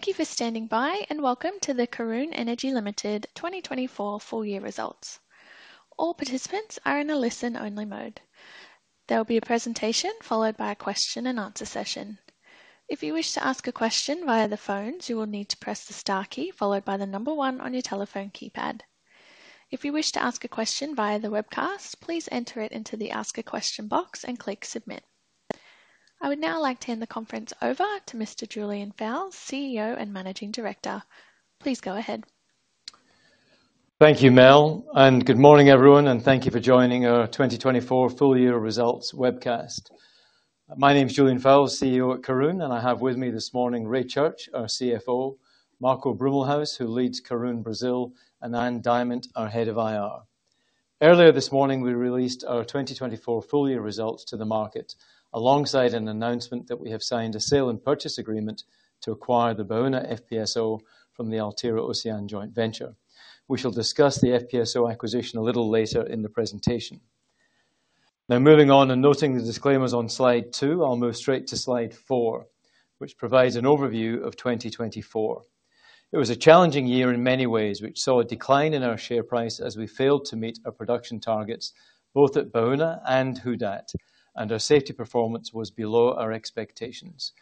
Thank you for standing by, and welcome to the Karoon Energy Limited 2024 Full Year Results. All participants are in a listen-only mode. There will be a presentation followed by a question-and-answer session. If you wish to ask a question via the phones, you will need to press the star key followed by the number one on your telephone keypad. If you wish to ask a question via the webcast, please enter it into the Ask a Question box and click Submit. I would now like to hand the conference over to Mr. Julian Fowles, CEO and Managing Director. Please go ahead. Thank you, Mel, and good morning, everyone, and thank you for joining our 2024 full year results webcast. My name is Julian Fowles, CEO at Karoon, and I have with me this morning Ray Church, our CFO, Marco Brummelhuis, who leads Karoon Brazil, and Ann Diamant, our Head of IR. Earlier this morning, we released our 2024 full year results to the market alongside an announcement that we have signed a sale and purchase agreement to acquire the Baúna FPSO from the Altera and Ocyan Joint Venture. We shall discuss the FPSO acquisition a little later in the presentation. Now, moving on and noting the disclaimers on slide two, I'll move straight to slide four, which provides an overview of 2024. It was a challenging year in many ways, which saw a decline in our share price as we failed to meet our production targets both at Baúna and Who Dat, and our safety performance was below our expectations.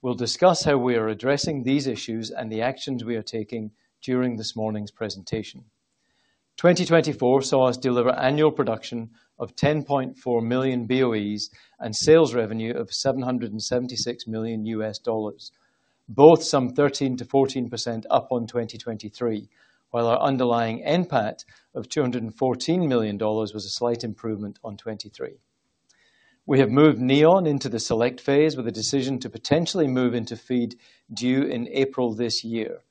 We'll discuss how we are addressing these issues and the actions we are taking during this morning's presentation. 2024 saw us deliver annual production of 10.4 million BOEs and sales revenue of $776 million, both some 13%-14% up on 2023, while our underlying NPAT of $214 million was a slight improvement on 2023. We have moved Neon into the select phase with a decision to potentially move into FEED due in April this year.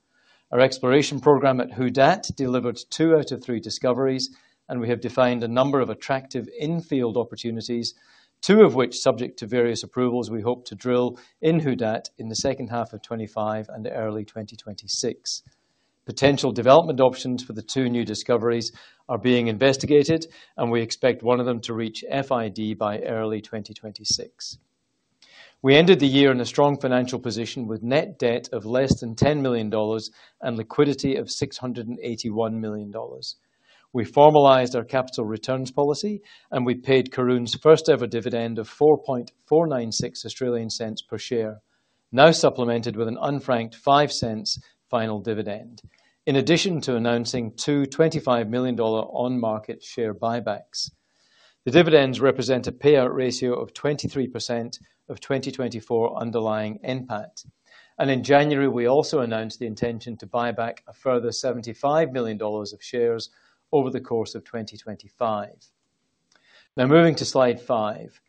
Our exploration program at Who Dat delivered two out of three discoveries, and we have defined a number of attractive in-field opportunities, two of which, subject to various approvals, we hope to drill in Who Dat in the second half of 2025 and early 2026. Potential development options for the two new discoveries are being investigated, and we expect one of them to reach FID by early 2026. We ended the year in a strong financial position with net debt of less than $10 million and liquidity of $681 million. We formalized our capital returns policy, and we paid Karoon's first-ever dividend of $0.04496 per share, now supplemented with an unfranked $0.05 final dividend, in addition to announcing two $25 million on-market share buybacks. The dividends represent a payout ratio of 23% of 2024 underlying NPAT, and in January, we also announced the intention to buy back a further 75 million dollars of shares over the course of 2025. Now, moving to slide five,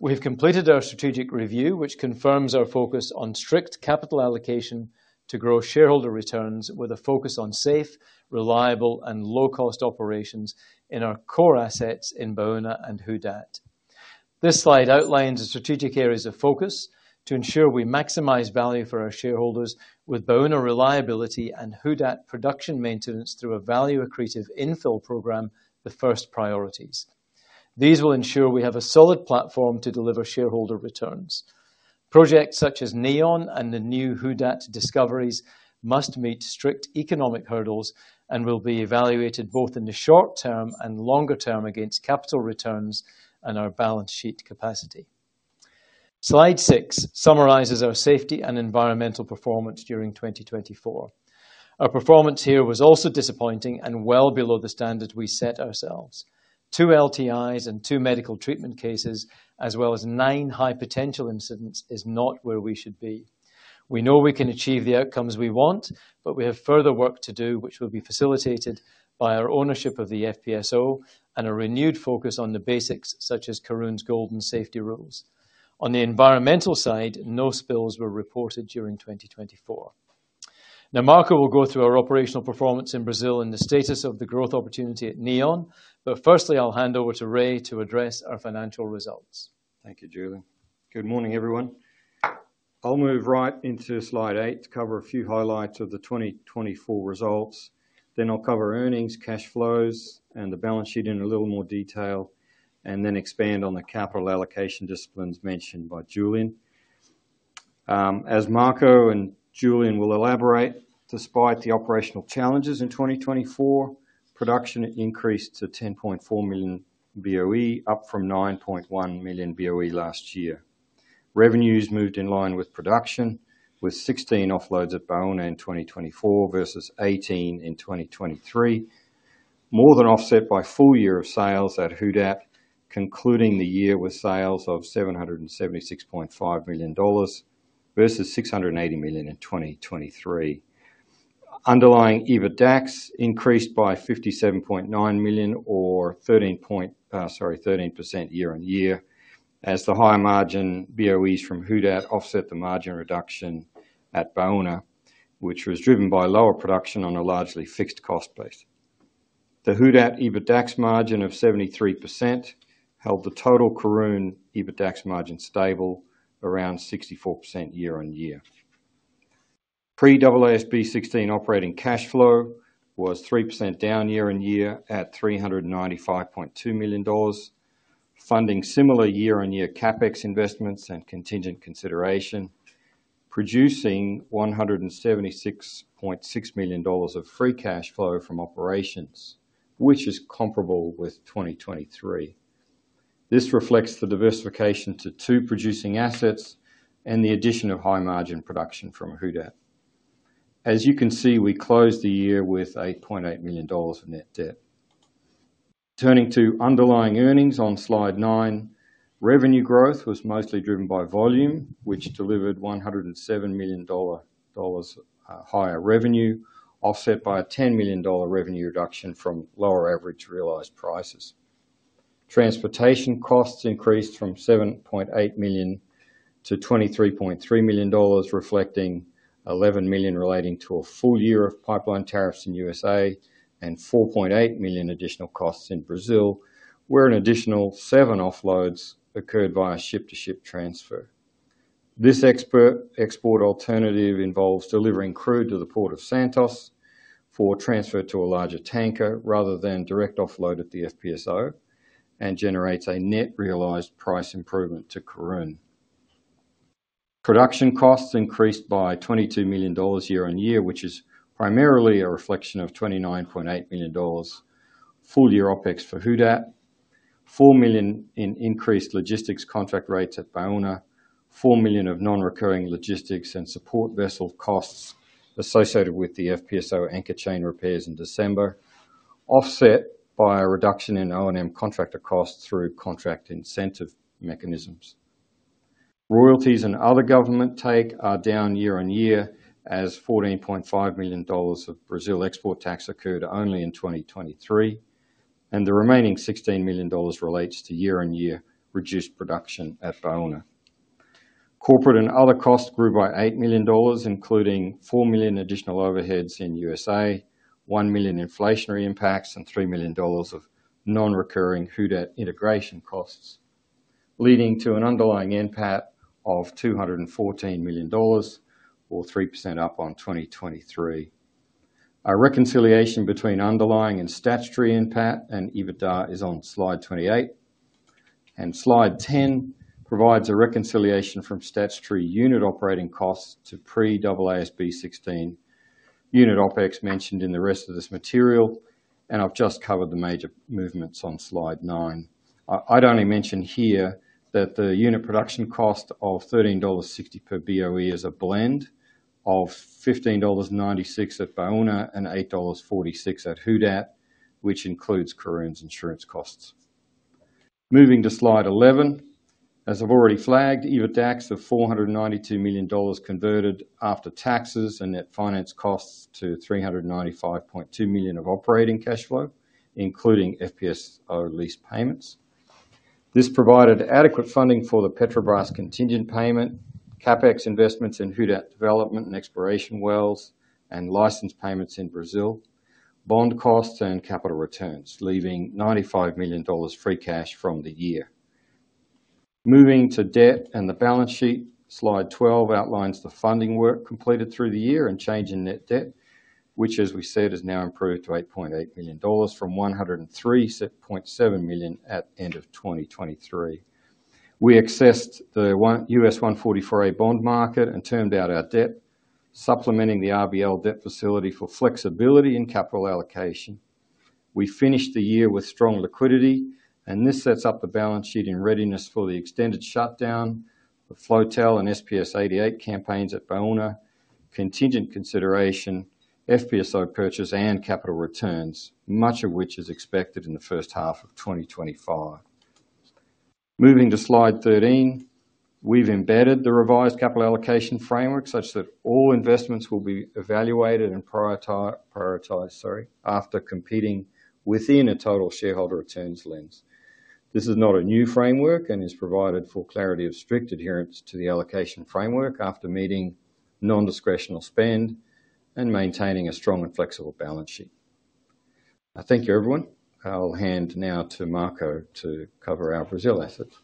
we have completed our strategic review, which confirms our focus on strict capital allocation to grow shareholder returns with a focus on safe, reliable, and low-cost operations in our core assets in Baúna and Who Dat. This slide outlines the strategic areas of focus to ensure we maximize value for our shareholders with Baúna reliability and Who Dat production maintenance through a value-accretive infill program, the first priorities. These will ensure we have a solid platform to deliver shareholder returns. Projects such as Neon and the new Who Dat discoveries must meet strict economic hurdles and will be evaluated both in the short term and longer term against capital returns and our balance sheet capacity. Slide six summarizes our safety and environmental performance during 2024. Our performance here was also disappointing and well below the standard we set ourselves. Two LTIs and two medical treatment cases, as well as nine high potential incidents, is not where we should be. We know we can achieve the outcomes we want, but we have further work to do, which will be facilitated by our ownership of the FPSO and a renewed focus on the basics, such as Karoon's golden safety rules. On the environmental side, no spills were reported during 2024. Now, Marco will go through our operational performance in Brazil and the status of the growth opportunity at Neon, but firstly, I'll hand over to Ray to address our financial results. Thank you, Julian. Good morning, everyone. I'll move right into slide eight to cover a few highlights of the 2024 results. Then I'll cover earnings, cash flows, and the balance sheet in a little more detail, and then expand on the capital allocation disciplines mentioned by Julian. As Marco and Julian will elaborate, despite the operational challenges in 2024, production increased to 10.4 million BOE, up from 9.1 million BOE last year. Revenues moved in line with production, with 16 offloads at Baúna in 2024 versus 18 in 2023, more than offset by full year of sales at Who Dat, concluding the year with sales of $776.5 million versus $680 million in 2023. Underlying EBITDAX increased by $57.9 million, or 13% year on year, as the high margin BOEs from Who Dat offset the margin reduction at Baúna, which was driven by lower production on a largely fixed cost base. The Who Dat EBITDAX margin of 73% held the total Karoon EBITDAX margin stable, around 64% year on year. Pre-IFRS 16 operating cash flow was 3% down year on year at $395.2 million, funding similar year on year CapEx investments and contingent consideration, producing $176.6 million of free cash flow from operations, which is comparable with 2023. This reflects the diversification to two producing assets and the addition of high margin production from Who Dat. As you can see, we closed the year with $8.8 million of net debt. Turning to underlying earnings on slide nine, revenue growth was mostly driven by volume, which delivered $107 million higher revenue, offset by a $10 million revenue reduction from lower average realized prices. Transportation costs increased from $7.8 million to $23.3 million, reflecting $11 million relating to a full year of pipeline tariffs in USA and $4.8 million additional costs in Brazil, where an additional seven offloads occurred via ship-to-ship transfer. This export alternative involves delivering crude to the port of Santos for transfer to a larger tanker rather than direct offload at the FPSO and generates a net realized price improvement to Karoon. Production costs increased by $22 million year on year, which is primarily a reflection of $29.8 million full year OPEX for Who Dat, $4 million in increased logistics contract rates at Baúna, $4 million of non-recurring logistics and support vessel costs associated with the FPSO anchor chain repairs in December, offset by a reduction in O&M contractor costs through contract incentive mechanisms. Royalties and other government take are down year on year, as $14.5 million of Brazil export tax occurred only in 2023, and the remaining $16 million relates to year on year reduced production at Baúna. Corporate and other costs grew by $8 million, including $4 million additional overheads in USA, $1 million inflationary impacts, and $3 million of non-recurring Who Dat integration costs, leading to an underlying NPAT of $214 million, or 3% up on 2023. A reconciliation between underlying and statutory NPAT and EBITDA is on slide 28, and slide 10 provides a reconciliation from statutory unit operating costs to pre-AASB 16 unit OpEx mentioned in the rest of this material, and I've just covered the major movements on slide 9. I'd only mention here that the unit production cost of $13.60 per BOE is a blend of $15.96 at Baúna and $8.46 at Who Dat, which includes Karoon's insurance costs. Moving to slide 11, as I've already flagged, EBITDA of $492 million converted after taxes and net finance costs to $395.2 million of operating cash flow, including FPSO lease payments. This provided adequate funding for the Petrobras contingent payment, CapEx investments in Who Dat development and exploration wells, and license payments in Brazil, bond costs, and capital returns, leaving $95 million free cash from the year. Moving to debt and the balance sheet, Slide 12 outlines the funding work completed through the year and change in net debt, which, as we said, has now improved to $8.8 million from $103.7 million at the end of 2023. We accessed the US 144A bond market and term out our debt, supplementing the RBL debt facility for flexibility in capital allocation. We finished the year with strong liquidity, and this sets up the balance sheet in readiness for the extended shutdown, the FloTel and SPS-88 campaigns at Baúna, contingent consideration, FPSO purchase, and capital returns, much of which is expected in the first half of 2025. Moving to Slide 13, we've embedded the revised capital allocation framework such that all investments will be evaluated and prioritized after competing within a total shareholder returns lens. This is not a new framework and is provided for clarity of strict adherence to the allocation framework after meeting non-discretionary spend and maintaining a strong and flexible balance sheet. Thank you, everyone. I'll hand now to Marco to cover our Brazil assets.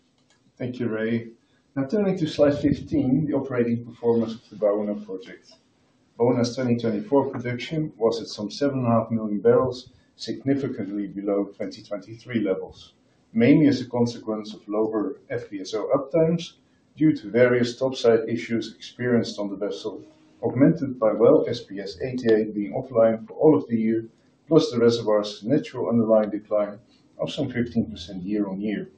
Thank you, Ray. Now, turning to slide 15, the operating performance of the Baúna project. Baúna's 2024 production was at some 7.5 million barrels, significantly below 2023 levels, mainly as a consequence of lower FPSO uptimes due to various topside issues experienced on the vessel, augmented by well SPS-88 being offline for all of the year, plus the reservoir's natural underlying decline of some 15% year on year.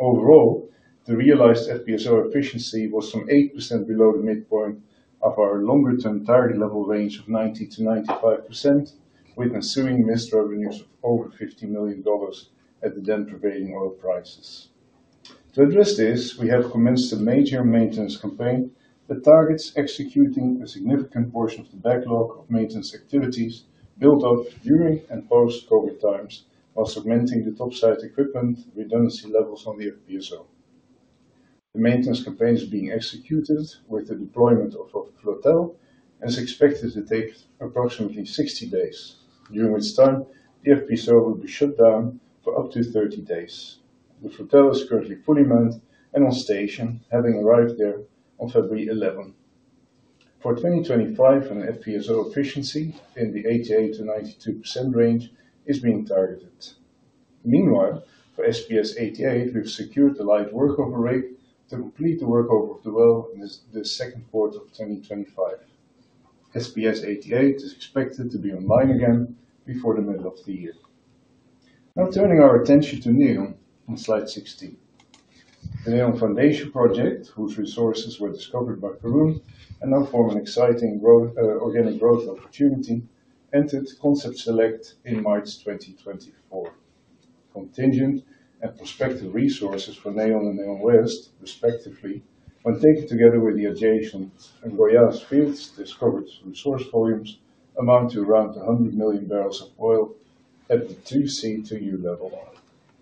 Overall, the realized FPSO efficiency was some 8% below the midpoint of our longer-term target level range of 90%-95%, with ensuing missed revenues of over $50 million at the then prevailing oil prices. To address this, we have commenced a major maintenance campaign that targets executing a significant portion of the backlog of maintenance activities built up during and post-COVID times while segmenting the topside equipment redundancy levels on the FPSO. The maintenance campaign is being executed with the deployment of FloTel and is expected to take approximately 60 days, during which time the FPSO will be shut down for up to 30 days. The FloTel is currently fully manned and on station, having arrived there on February 11. For 2025, an FPSO efficiency in the 88%-92% range is being targeted. Meanwhile, for SPS-88, we've secured the live workover rig to complete the workover of the well in the Q2 of 2025. SPS-88 is expected to be online again before the middle of the year. Now, turning our attention to Neon on slide 16. The Neon Foundation project, whose resources were discovered by Karoon and now form an exciting organic growth opportunity, entered Concept Select in March 2024. Contingent and prospective resources for Neon and Neon West, respectively, when taken together with the adjacent Goiá fields discovered through source volumes, amount to around 100 million barrels of oil at the 2C, 2U level.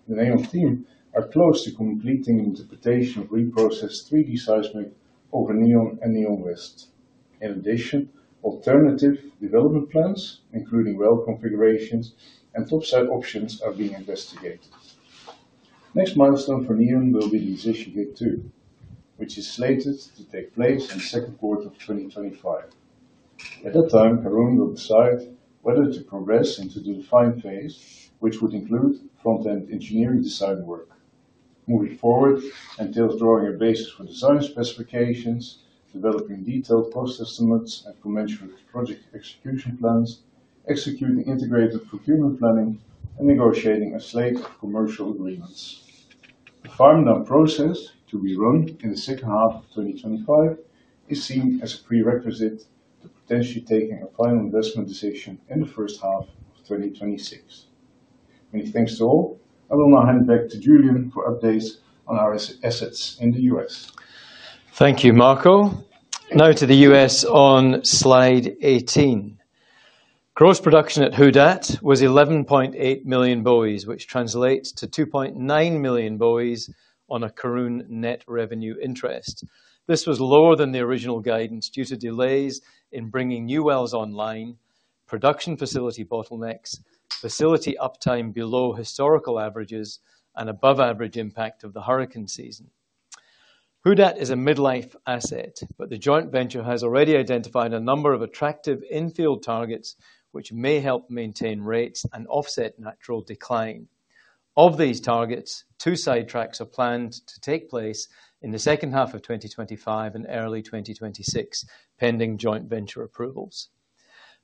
The Neon team are close to completing interpretation of reprocessed 3D seismic over Neon and Neon West. In addition, alternative development plans, including well configurations and topside options, are being investigated. Next milestone for Neon will be the Zishige 2, which is slated to take place in the Q2 of 2025. At that time, Karoon will decide whether to progress into the Define phase, which would include front-end engineering design work. Moving forward entails drawing a basis for design specifications, developing detailed cost estimates and commensurate project execution plans, executing integrated procurement planning, and negotiating a slate of commercial agreements. The farm down process to be run in the second half of 2025 is seen as a prerequisite to potentially taking a final investment decision in the first half of 2026. Many thanks to all. I will now hand back to Julian for updates on our assets in the U.S. Thank you, Marco. Now to the U.S. on slide 18. Gross production at Who Dat was 11.8 million BOE, which translates to 2.9 million BOE on a Karoon net revenue interest. This was lower than the original guidance due to delays in bringing new wells online, production facility bottlenecks, facility uptime below historical averages, and above-average impact of the hurricane season. Who Dat is a mid-life asset, but the joint venture has already identified a number of attractive infield targets, which may help maintain rates and offset natural decline. Of these targets, two sidetracks are planned to take place in the second half of 2025 and early 2026, pending joint venture approvals.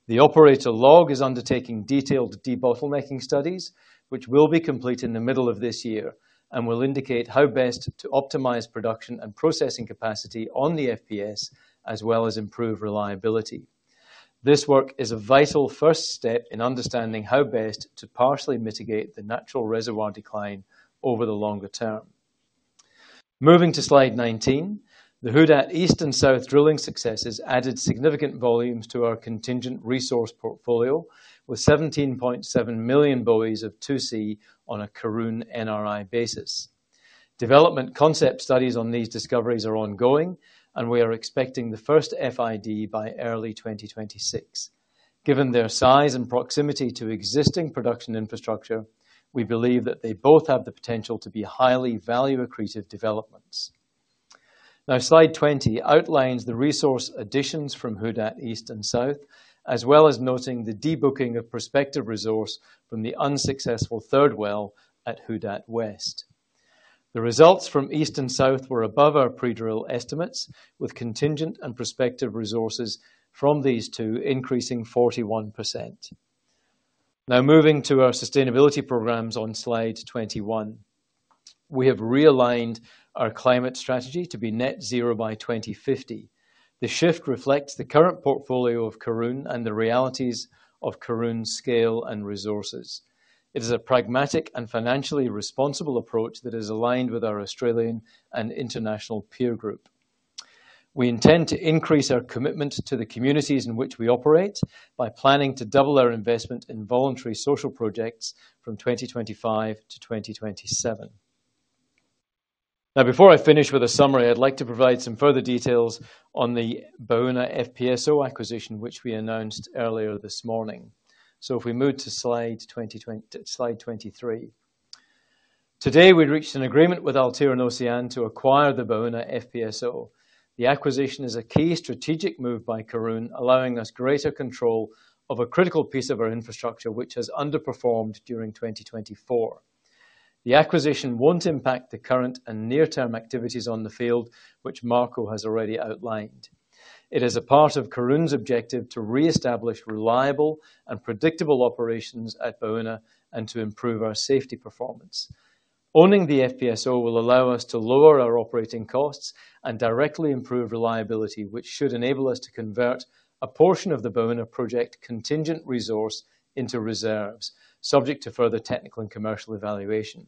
The operator LLOG is undertaking detailed debottlenecking studies, which will be complete in the middle of this year and will indicate how best to optimize production and processing capacity on the FPS, as well as improve reliability. This work is a vital first step in understanding how best to partially mitigate the natural reservoir decline over the longer term. Moving to slide 19, the Who Dat East and South drilling successes added significant volumes to our contingent resource portfolio, with 17.7 million BOEs of 2C on a Karoon NRI basis. Development concept studies on these discoveries are ongoing, and we are expecting the first FID by early 2026. Given their size and proximity to existing production infrastructure, we believe that they both have the potential to be highly value-accretive developments. Now, slide 20 outlines the resource additions from Who Dat East and South, as well as noting the debooking of prospective resource from the unsuccessful third well at Who Dat West. The results from East and South were above our pre-drill estimates, with contingent and prospective resources from these two increasing 41%. Now, moving to our sustainability programs on slide 21, we have realigned our climate strategy to be net zero by 2050. The shift reflects the current portfolio of Karoon and the realities of Karoon's scale and resources. It is a pragmatic and financially responsible approach that is aligned with our Australian and international peer group. We intend to increase our commitment to the communities in which we operate by planning to double our investment in voluntary social projects from 2025 to 2027. Now, before I finish with a summary, I'd like to provide some further details on the Baúna FPSO acquisition, which we announced earlier this morning. So, if we move to slide 23, today we reached an agreement with Altera and Ocyan to acquire the Baúna FPSO. The acquisition is a key strategic move by Karoon, allowing us greater control of a critical piece of our infrastructure, which has underperformed during 2024. The acquisition won't impact the current and near-term activities on the field, which Marco has already outlined. It is a part of Karoon's objective to reestablish reliable and predictable operations at Baúna and to improve our safety performance. Owning the FPSO will allow us to lower our operating costs and directly improve reliability, which should enable us to convert a portion of the Baúna project contingent resource into reserves, subject to further technical and commercial evaluation.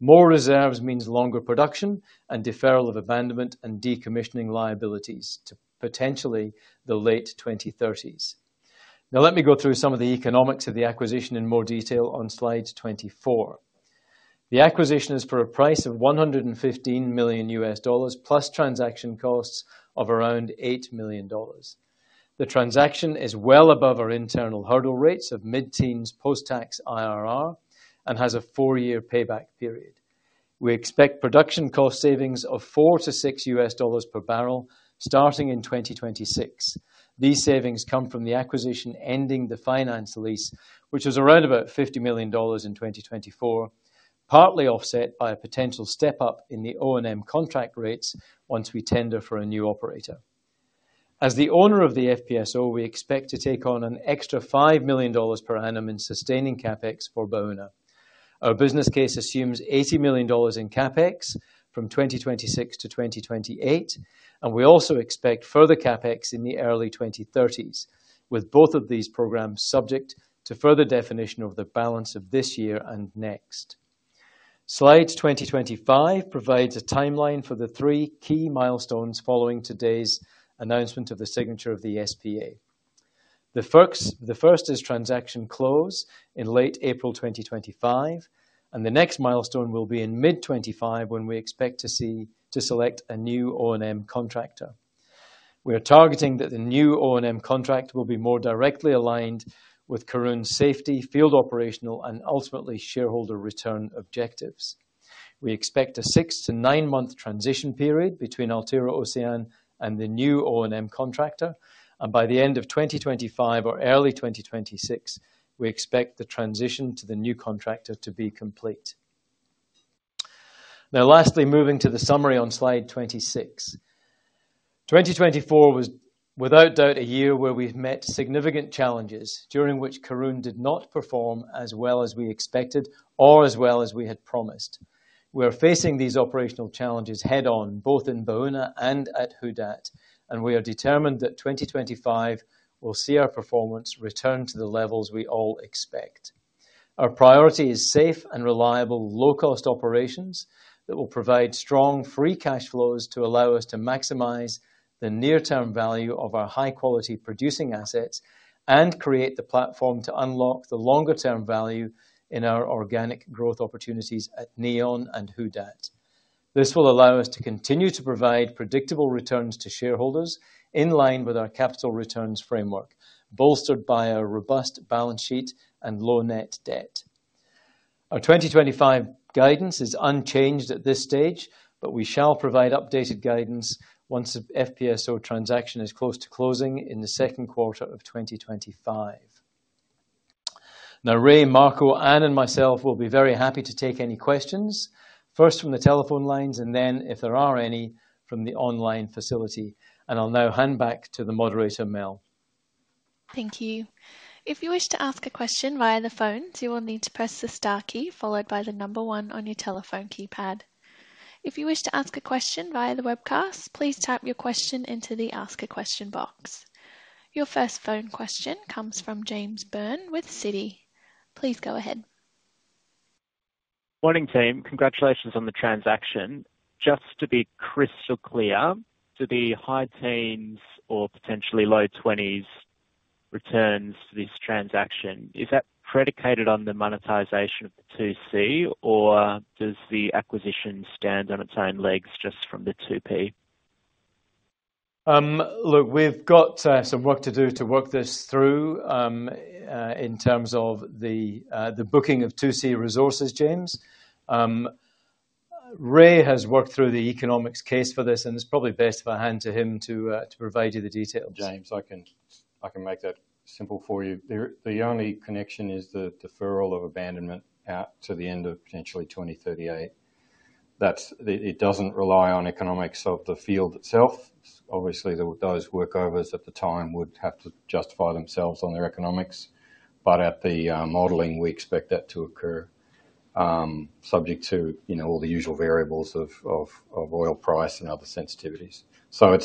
More reserves means longer production and deferral of abandonment and decommissioning liabilities to potentially the late 2030s. Now, let me go through some of the economics of the acquisition in more detail on slide 24. The acquisition is for a price of $115 million, plus transaction costs of around $8 million. The transaction is well above our internal hurdle rates of mid-teens post-tax IRR and has a four-year payback period. We expect production cost savings of $4-$6 per barrel starting in 2026. These savings come from the acquisition ending the finance lease, which was around about $50 million in 2024, partly offset by a potential step up in the O&M contract rates once we tender for a new operator. As the owner of the FPSO, we expect to take on an extra $5 million per annum in sustaining CapEx for Baúna. Our business case assumes $80 million in CapEx from 2026 to 2028, and we also expect further CapEx in the early 2030s, with both of these programs subject to further definition of the balance of this year and next. Slide 2025 provides a timeline for the three key milestones following today's announcement of the signature of the SPA. The first is transaction close in late April 2025, and the next milestone will be in mid-2025 when we expect to select a new O&M contractor. We are targeting that the new O&M contract will be more directly aligned with Karoon's safety, field operational, and ultimately shareholder return objectives. We expect a six- to nine-month transition period between Altera & Ocyan and the new O&M contractor, and by the end of 2025 or early 2026, we expect the transition to the new contractor to be complete. Now, lastly, moving to the summary on slide 26, 2024 was without doubt a year where we've met significant challenges during which Karoon did not perform as well as we expected or as well as we had promised. We are facing these operational challenges head-on, both in Baúna and at Who Dat, and we are determined that 2025 will see our performance return to the levels we all expect. Our priority is safe and reliable, low-cost operations that will provide strong free cash flows to allow us to maximize the near-term value of our high-quality producing assets and create the platform to unlock the longer-term value in our organic growth opportunities at Neon and Who Dat. This will allow us to continue to provide predictable returns to shareholders in line with our capital returns framework, bolstered by our robust balance sheet and low net debt. Our 2025 guidance is unchanged at this stage, but we shall provide updated guidance once the FPSO transaction is close to closing in the Q2 of 2025. Now, Ray, Marco, Ann, and myself will be very happy to take any questions, first from the telephone lines and then, if there are any, from the online facility, and I'll now hand back to the moderator, Mel. Thank you. If you wish to ask a question via the phone, you will need to press the star key followed by the number one on your telephone keypad. If you wish to ask a question via the webcast, please type your question into the ask a question box. Your first phone question comes from James Byrne with Citi. Please go ahead. Morning, team. Congratulations on the transaction. Just to be crystal clear, to the high teens or potentially low 20s returns to this transaction, is that predicated on the monetization of the 2C or does the acquisition stand on its own legs just from the 2P? Look, we've got some work to do to work this through in terms of the booking of 2C resources, James. Ray has worked through the economics case for this, and it's probably best if I hand to him to provide you the details. James, I can make that simple for you. The only connection is the deferral of abandonment out to the end of potentially 2038. It doesn't rely on economics of the field itself. Obviously, those workovers at the time would have to justify themselves on their economics, but at the modeling, we expect that to occur, subject to all the usual variables of oil price and other sensitivities. So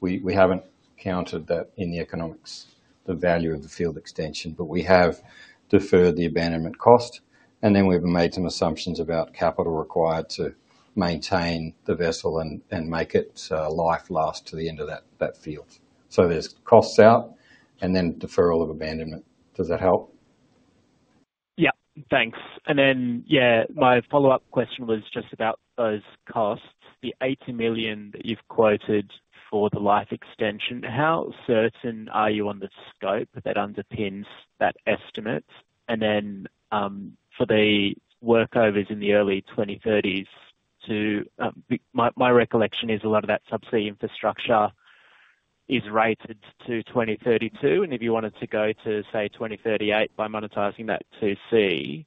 we haven't counted that in the economics, the value of the field extension, but we have deferred the abandonment cost, and then we've made some assumptions about capital required to maintain the vessel and make its life last to the end of that field. So there's costs out and then deferral of abandonment. Does that help? Yep, thanks. And then, yeah, my follow-up question was just about those costs, the $80 million that you've quoted for the life extension. How certain are you on the scope that underpins that estimate? And then for the workovers in the early 2030s, my recollection is a lot of that subsea infrastructure is rated to 2032, and if you wanted to go to, say, 2038 by monetizing that 2C,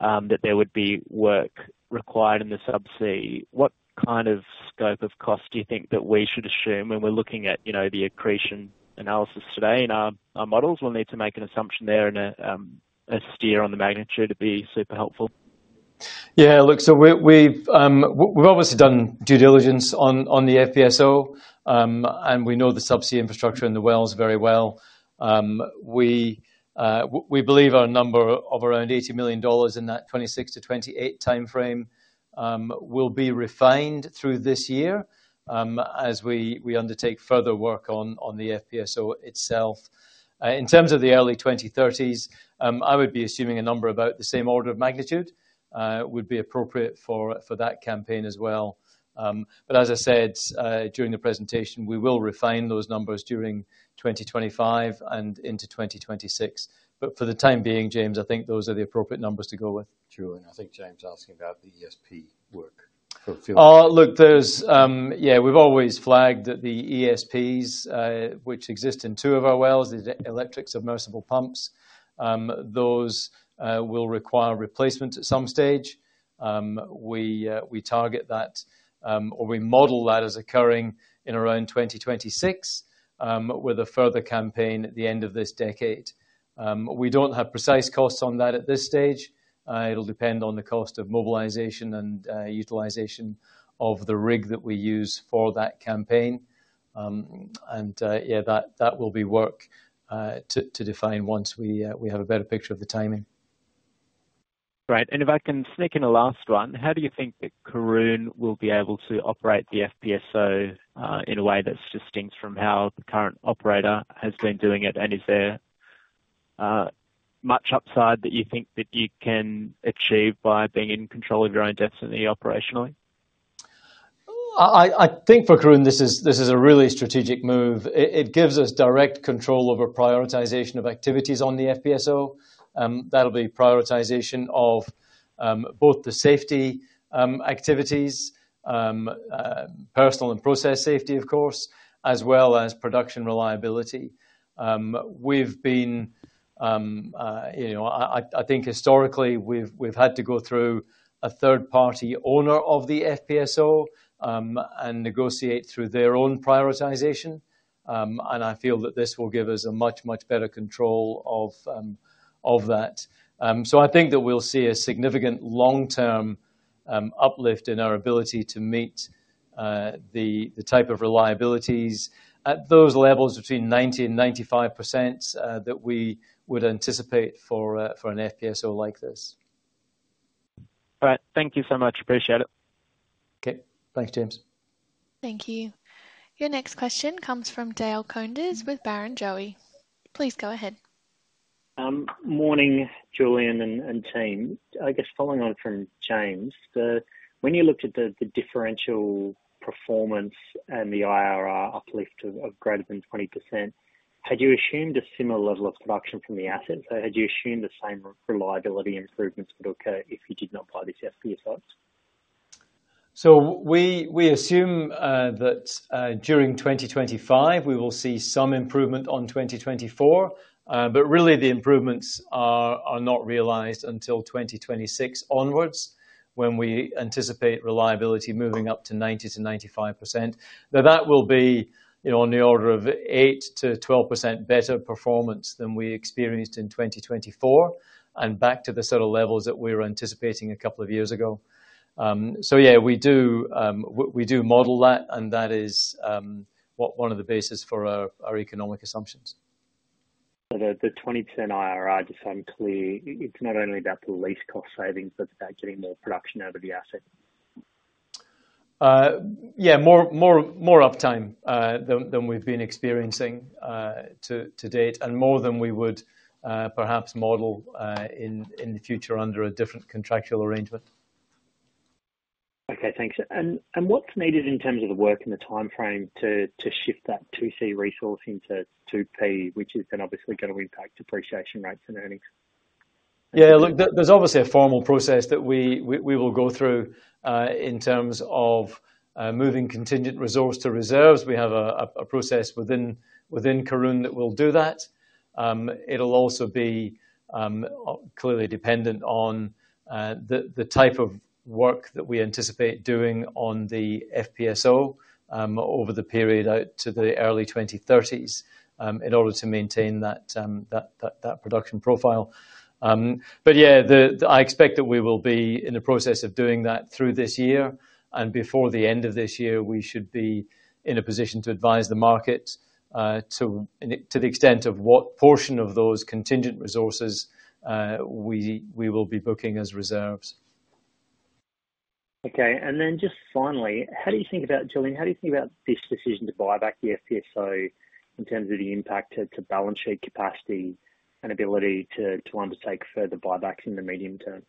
that there would be work required in the subsea, what kind of scope of cost do you think that we should assume when we're looking at the accretion analysis today? And our models will need to make an assumption there, and a steer on the magnitude would be super helpful. Yeah, look, so we've obviously done due diligence on the FPSO, and we know the subsea infrastructure and the wells very well. We believe a number of around $80 million in that 2026-2028 timeframe will be refined through this year as we undertake further work on the FPSO itself. In terms of the early 2030s, I would be assuming a number about the same order of magnitude would be appropriate for that campaign as well. But as I said during the presentation, we will refine those numbers during 2025 and into 2026. But for the time being, James, I think those are the appropriate numbers to go with. Julian, I think James is asking about the ESP work for the field. Look, yeah, we've always flagged that the ESPs, which exist in two of our wells, the electric submersible pumps, those will require replacements at some stage. We target that, or we model that as occurring in around 2026 with a further campaign at the end of this decade. We don't have precise costs on that at this stage. It'll depend on the cost of mobilization and utilization of the rig that we use for that campaign, and yeah, that will be work to define once we have a better picture of the timing. Right. And if I can sneak in a last one, how do you think that Karoon will be able to operate the FPSO in a way that distinguishes from how the current operator has been doing it? And is there much upside that you think that you can achieve by being in control of your own destiny operationally? I think for Karoon, this is a really strategic move. It gives us direct control over prioritization of activities on the FPSO. That'll be prioritization of both the safety activities, personal and process safety, of course, as well as production reliability. We've been, I think historically, we've had to go through a third-party owner of the FPSO and negotiate through their own prioritization. And I feel that this will give us a much, much better control of that. So I think that we'll see a significant long-term uplift in our ability to meet the type of reliabilities at those levels between 90% and 95% that we would anticipate for an FPSO like this. All right. Thank you so much. Appreciate it. Okay. Thanks, James. Thank you. Your next question comes from Dale Koenders with Barrenjoey. Please go ahead. Morning, Julian and team. I guess following on from James, when you looked at the differential performance and the IRR uplift of greater than 20%, had you assumed a similar level of production from the assets? So had you assumed the same reliability improvements would occur if you did not buy these FPSOs? So we assume that during 2025, we will see some improvement on 2024, but really the improvements are not realized until 2026 onwards when we anticipate reliability moving up to 90%-95%. Now, that will be on the order of 8%-12% better performance than we experienced in 2024 and back to the sort of levels that we were anticipating a couple of years ago. So yeah, we do model that, and that is one of the bases for our economic assumptions. So the 20% IRR, just so I'm clear, it's not only about the least cost savings, but it's about getting more production out of the asset? Yeah, more uptime than we've been experiencing to date and more than we would perhaps model in the future under a different contractual arrangement. Okay, thanks. And what's needed in terms of the work and the timeframe to shift that 2C resource into 2P, which is then obviously going to impact depreciation rates and earnings? Yeah, look, there's obviously a formal process that we will go through in terms of moving contingent resource to reserves. We have a process within Karoon that will do that. It'll also be clearly dependent on the type of work that we anticipate doing on the FPSO over the period out to the early 2030s in order to maintain that production profile. But yeah, I expect that we will be in the process of doing that through this year, and before the end of this year, we should be in a position to advise the market to the extent of what portion of those contingent resources we will be booking as reserves. Okay. And then just finally, how do you think about, Julian, this decision to buy back the FPSO in terms of the impact to balance sheet capacity and ability to undertake further buybacks in the medium term?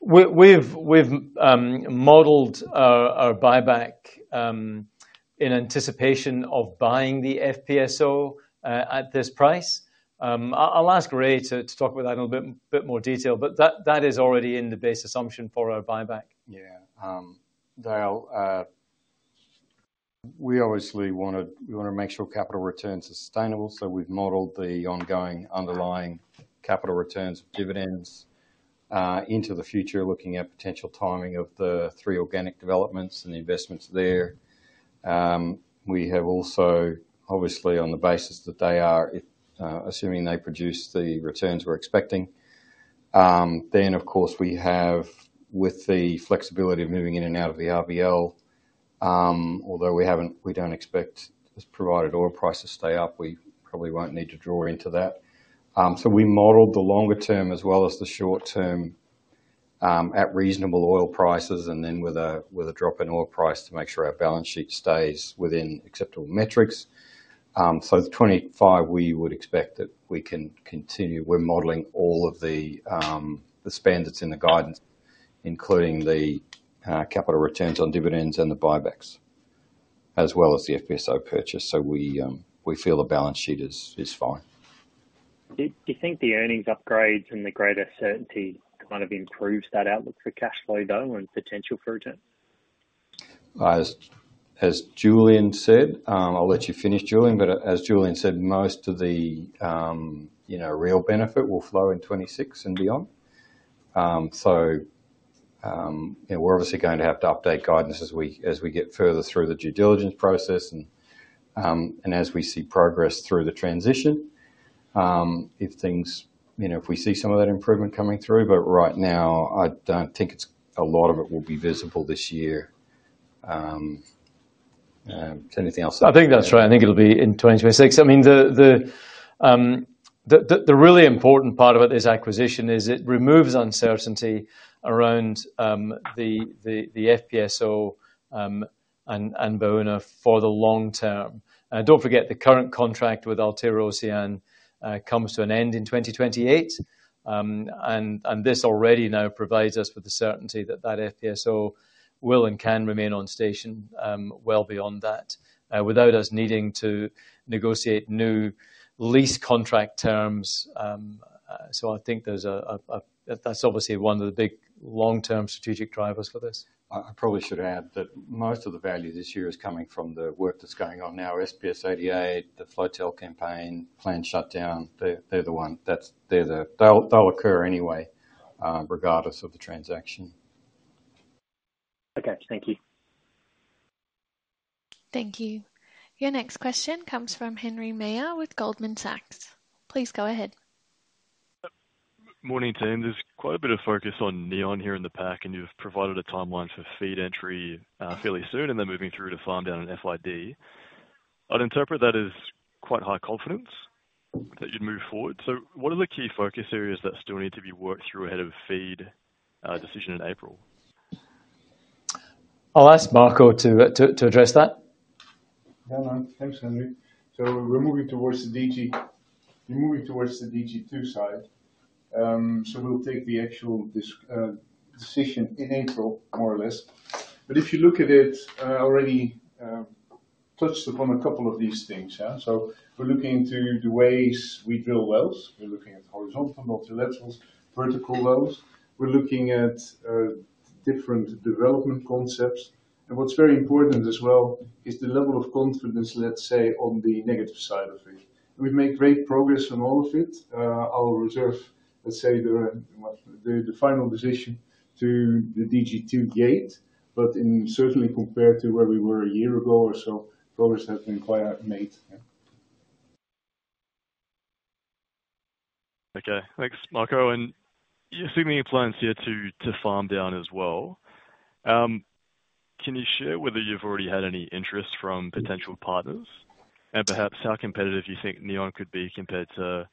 We've modeled our buyback in anticipation of buying the FPSO at this price. I'll ask Ray to talk about that in a bit more detail, but that is already in the base assumption for our buyback. Yeah. Dale, we obviously want to make sure capital returns are sustainable, so we've modeled the ongoing underlying capital returns of dividends into the future, looking at potential timing of the three organic developments and the investments there. We have also, obviously, on the basis that they are, assuming they produce the returns we're expecting. Then, of course, we have, with the flexibility of moving in and out of the RBL, although we don't expect provided oil prices stay up, we probably won't need to draw into that. So we modeled the longer term as well as the short term at reasonable oil prices and then with a drop in oil price to make sure our balance sheet stays within acceptable metrics. So 25, we would expect that we can continue. We're modeling all of the spend that's in the guidance, including the capital returns on dividends and the buybacks, as well as the FPSO purchase. So we feel the balance sheet is fine. Do you think the earnings upgrades and the greater certainty kind of improves that outlook for cash flow, though, and potential for returns? As Julian said, I'll let you finish, Julian, but as Julian said, most of the real benefit will flow in 2026 and beyond. So we're obviously going to have to update guidance as we get further through the due diligence process and as we see progress through the transition, if we see some of that improvement coming through. But right now, I don't think a lot of it will be visible this year. Anything else? I think that's right. I think it'll be in 2026. I mean, the really important part of it, this acquisition, is it removes uncertainty around the FPSO and Baúna for the long term, and don't forget, the current contract with Altera Ocean comes to an end in 2028, and this already now provides us with the certainty that that FPSO will and can remain on station well beyond that without us needing to negotiate new lease contract terms, so I think that's obviously one of the big long-term strategic drivers for this. I probably should add that most of the value this year is coming from the work that's going on now, SPS-88, the Floatel campaign, planned shutdown, they're the one. They'll occur anyway, regardless of the transaction. Okay, thank you. Thank you. Your next question comes from Henry Meyer with Goldman Sachs. Please go ahead. Morning, team. There's quite a bit of focus on Neon here in the pack, and you've provided a timeline for feed entry fairly soon and then moving through to farm down in FID. I'd interpret that as quite high confidence that you'd move forward. So what are the key focus areas that still need to be worked through ahead of feed decision in April? I'll ask Marco to address that. Yeah, thanks, Henry. So we're moving towards the DG, moving towards the DG2 side. So we'll take the actual decision in April, more or less. But if you look at it, I already touched upon a couple of these things. So we're looking into the ways we drill wells. We're looking at horizontal, multilaterals, vertical wells. We're looking at different development concepts. And what's very important as well is the level of confidence, let's say, on the negative side of it. We've made great progress on all of it. I'll reserve, let's say, the final decision to the DG2 gate, but certainly compared to where we were a year ago or so, progress has been quite made. Okay, thanks, Marco. And you seem to be inclined here to farm down as well. Can you share whether you've already had any interest from potential partners and perhaps how competitive you think Neon could be compared to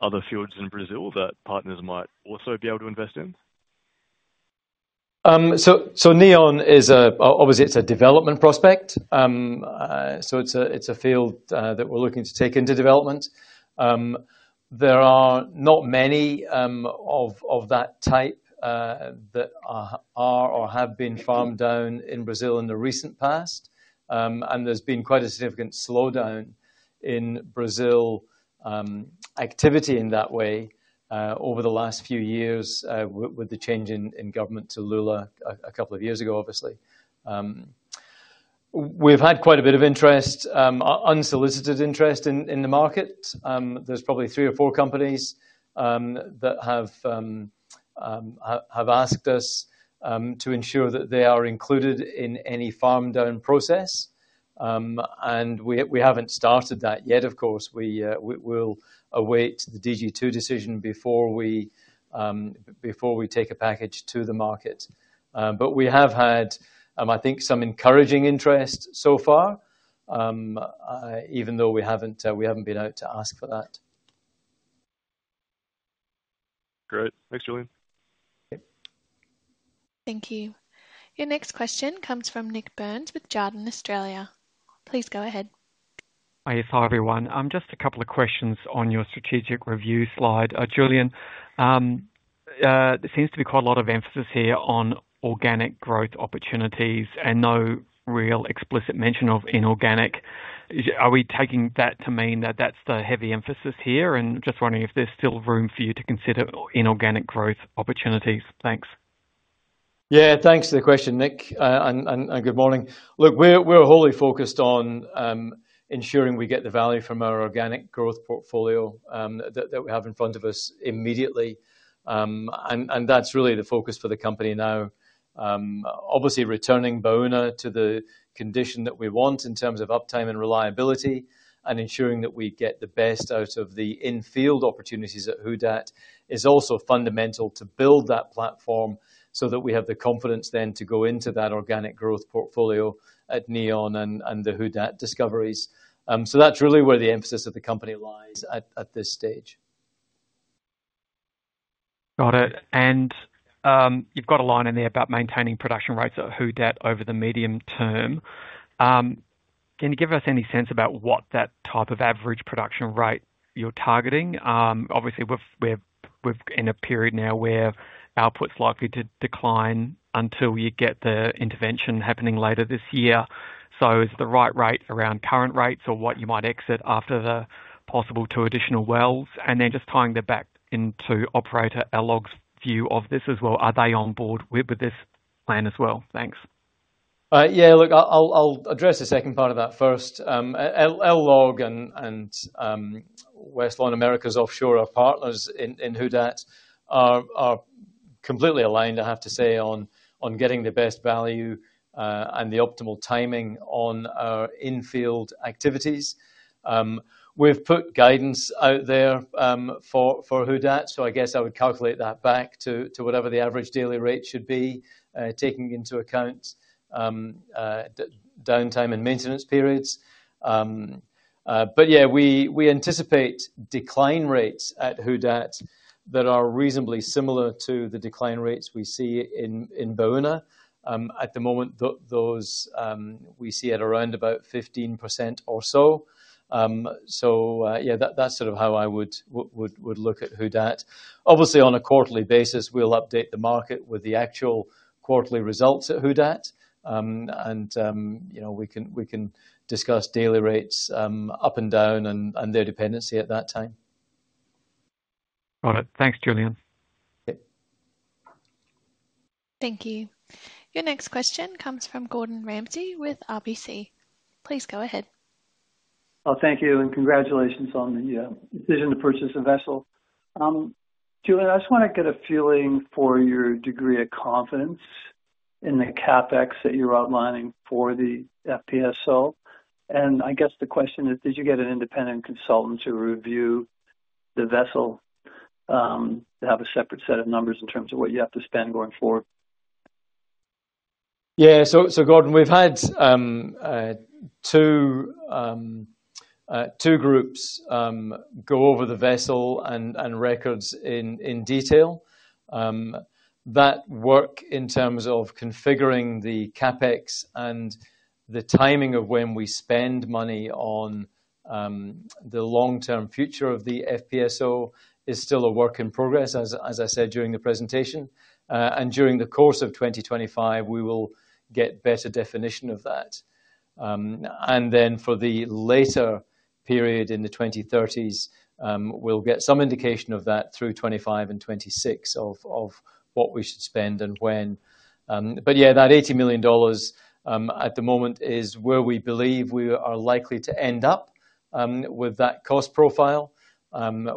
other fields in Brazil that partners might also be able to invest in? So Neon, obviously, it's a development prospect. So it's a field that we're looking to take into development. There are not many of that type that are or have been farmed down in Brazil in the recent past. And there's been quite a significant slowdown in Brazil activity in that way over the last few years with the change in government to Lula a couple of years ago, obviously. We've had quite a bit of interest, unsolicited interest in the market. There's probably three or four companies that have asked us to ensure that they are included in any farm down process. And we haven't started that yet, of course. We will await the DG2 decision before we take a package to the market. But we have had, I think, some encouraging interest so far, even though we haven't been out to ask for that. Great. Thanks, Julian. Thank you. Your next question comes from Nick Burns with Jarden Australia. Please go ahead. Hi, hi everyone. Just a couple of questions on your strategic review slide. Julian, there seems to be quite a lot of emphasis here on organic growth opportunities and no real explicit mention of inorganic. Are we taking that to mean that that's the heavy emphasis here? And just wondering if there's still room for you to consider inorganic growth opportunities. Thanks. Yeah, thanks for the question, Nick. And good morning. Look, we're wholly focused on ensuring we get the value from our organic growth portfolio that we have in front of us immediately. And that's really the focus for the company now. Obviously, returning Baúna to the condition that we want in terms of uptime and reliability and ensuring that we get the best out of the in-field opportunities at Who Dat is also fundamental to build that platform so that we have the confidence then to go into that organic growth portfolio at Neon and the Who Dat discoveries. So that's really where the emphasis of the company lies at this stage. Got it. And you've got a line in there about maintaining production rates at Who Dat over the medium term. Can you give us any sense about what that type of average production rate you're targeting? Obviously, we're in a period now where output's likely to decline until you get the intervention happening later this year. So is the right rate around current rates or what you might exit after the possible two additional wells? And then just tying that back into operator LLOG's view of this as well. Are they on board with this plan as well? Thanks. Yeah, look, I'll address the second part of that first. LLOG and Westlawn Americas Offshore partners in Who Dat are completely aligned, I have to say, on getting the best value and the optimal timing on our in-field activities. We've put guidance out there for Who Dat, so I guess I would calculate that back to whatever the average daily rate should be, taking into account downtime and maintenance periods. But yeah, we anticipate decline rates at Who Dat that are reasonably similar to the decline rates we see in Baúna. At the moment, those we see at around about 15% or so. So yeah, that's sort of how I would look at Who Dat. Obviously, on a quarterly basis, we'll update the market with the actual quarterly results at Who Dat, and we can discuss daily rates up and down and their dependency at that time. Got it. Thanks, Julian. Thank you. Your next question comes from Gordon Ramsay with RBC. Please go ahead. Thank you, and congratulations on the decision to purchase a vessel. Julian, I just want to get a feeling for your degree of confidence in the CapEx that you're outlining for the FPSO, and I guess the question is, did you get an independent consultant to review the vessel to have a separate set of numbers in terms of what you have to spend going forward? Yeah. So Gordon, we've had two groups go over the vessel and records in detail. That work in terms of configuring the CapEx and the timing of when we spend money on the long-term future of the FPSO is still a work in progress, as I said during the presentation. During the course of 2025, we will get better definition of that. Then for the later period in the 2030s, we'll get some indication of that through 2025 and 2026 of what we should spend and when. But yeah, that $80 million at the moment is where we believe we are likely to end up with that cost profile.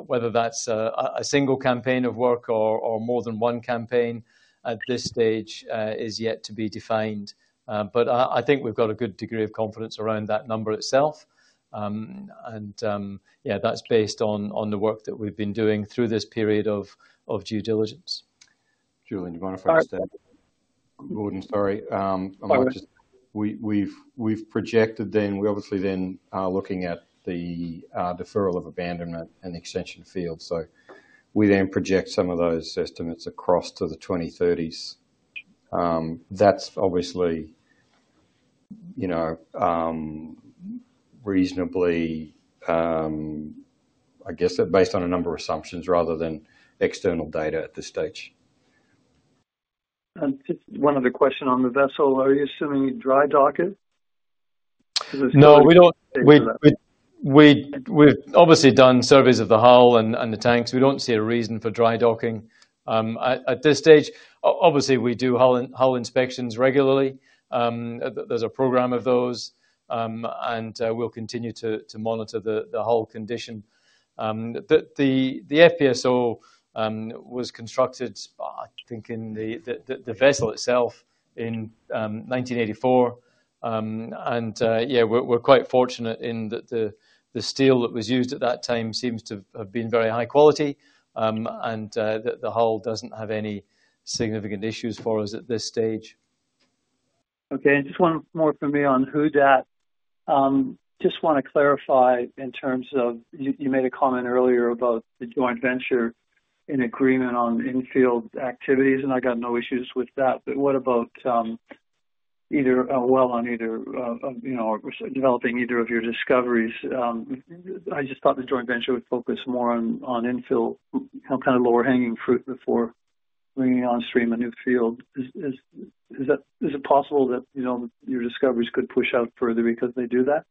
Whether that's a single campaign of work or more than one campaign at this stage is yet to be defined. But I think we've got a good degree of confidence around that number itself. Yeah, that's based on the work that we've been doing through this period of due diligence. Julian, do you mind if I just add? Go ahead. Gordon, sorry. We've projected, then, we're obviously then looking at the deferral of abandonment and extension field. So we then project some of those estimates across to the 2030s. That's obviously, reasonably, I guess, based on a number of assumptions rather than external data at this stage. And just one other question on the vessel. Are you assuming dry docking? No, we've obviously done surveys of the hull and the tanks. We don't see a reason for dry docking at this stage. Obviously, we do hull inspections regularly. There's a program of those, and we'll continue to monitor the hull condition. The FPSO was constructed, I think, in the vessel itself in 1984, and yeah, we're quite fortunate in that the steel that was used at that time seems to have been very high quality and that the hull doesn't have any significant issues for us at this stage. Okay. And just one more from me on Who Dat. Just want to clarify in terms of you made a comment earlier about the joint venture in agreement on in-field activities, and I got no issues with that. But what about either a well on either or developing either of your discoveries? I just thought the joint venture would focus more on in-field, kind of lower hanging fruit before bringing on stream a new field. Is it possible that your discoveries could push out further because they do that?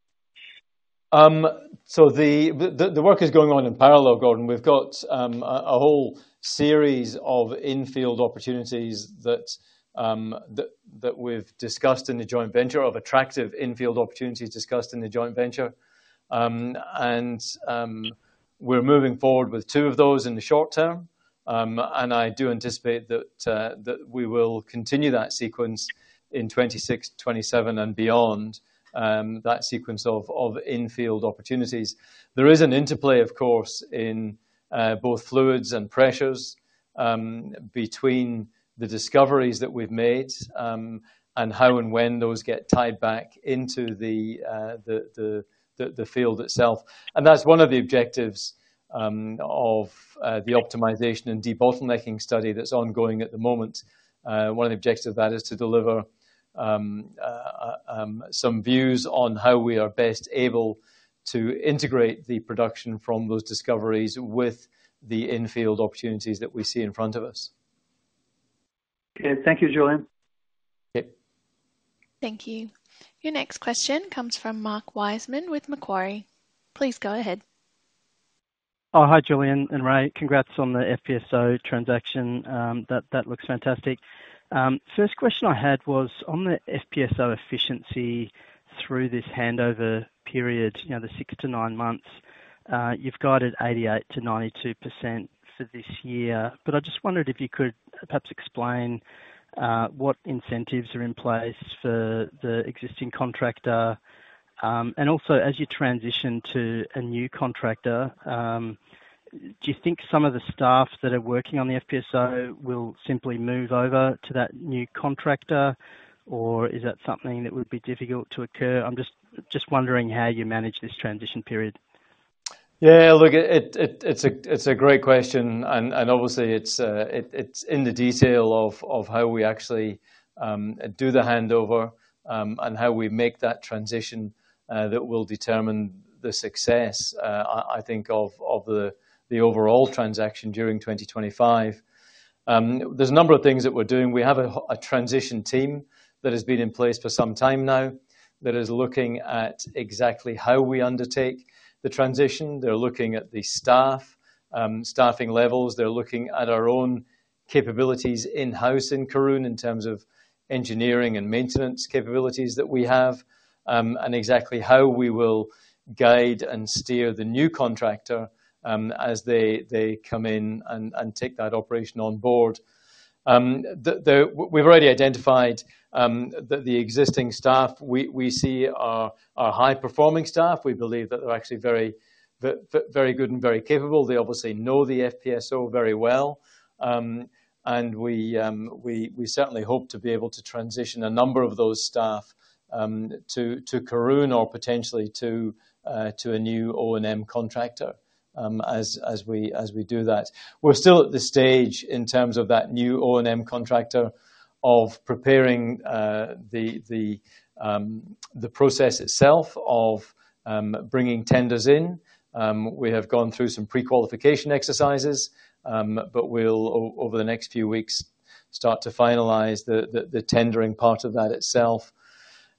The work is going on in parallel, Gordon. We've got a whole series of attractive in-field opportunities that we've discussed in the joint venture. We're moving forward with two of those in the short term. I do anticipate that we will continue that sequence in 2026, 2027, and beyond, that sequence of in-field opportunities. There is an interplay, of course, in both fluids and pressures between the discoveries that we've made and how and when those get tied back into the field itself. That's one of the objectives of the optimization and de-bottlenecking study that's ongoing at the moment. One of the objectives of that is to deliver some views on how we are best able to integrate the production from those discoveries with the in-field opportunities that we see in front of us. Okay. Thank you, Julian. Okay. Thank you. Your next question comes from Mark Wiseman with Macquarie. Please go ahead. Oh, hi, Julian and Ray. Congrats on the FPSO transaction. That looks fantastic. First question I had was on the FPSO efficiency through this handover period, the six to nine months, you've guided 88%-92% for this year. But I just wondered if you could perhaps explain what incentives are in place for the existing contractor. And also, as you transition to a new contractor, do you think some of the staff that are working on the FPSO will simply move over to that new contractor, or is that something that would be difficult to occur? I'm just wondering how you manage this transition period. Yeah, look, it's a great question, and obviously, it's in the detail of how we actually do the handover and how we make that transition that will determine the success, I think, of the overall transaction during 2025. There's a number of things that we're doing. We have a transition team that has been in place for some time now that is looking at exactly how we undertake the transition. They're looking at the staff, staffing levels. They're looking at our own capabilities in-house in Karoon in terms of engineering and maintenance capabilities that we have and exactly how we will guide and steer the new contractor as they come in and take that operation on board. We've already identified that the existing staff we see are high-performing staff. We believe that they're actually very good and very capable. They obviously know the FPSO very well. We certainly hope to be able to transition a number of those staff to Karoon or potentially to a new O&M contractor as we do that. We're still at the stage in terms of that new O&M contractor of preparing the process itself of bringing tenders in. We have gone through some pre-qualification exercises, but we'll, over the next few weeks, start to finalize the tendering part of that itself.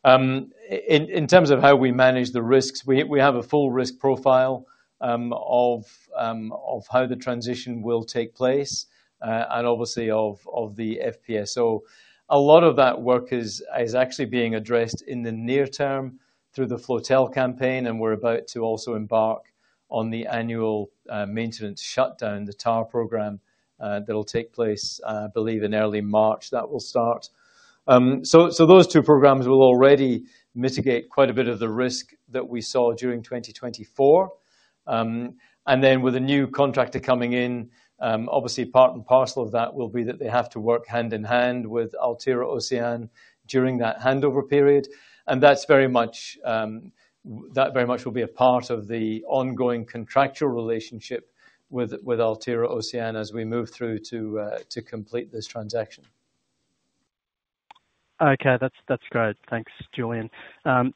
In terms of how we manage the risks, we have a full risk profile of how the transition will take place and obviously of the FPSO. A lot of that work is actually being addressed in the near term through the Flotel campaign, and we're about to also embark on the annual maintenance shutdown, the TAR program that will take place, I believe, in early March that will start. Those two programs will already mitigate quite a bit of the risk that we saw during 2024. And then with a new contractor coming in, obviously, part and parcel of that will be that they have to work hand in hand with Altera & Ocyan during that handover period. And that very much will be a part of the ongoing contractual relationship with Altera & Ocyan as we move through to complete this transaction. Okay. That's great. Thanks, Julian.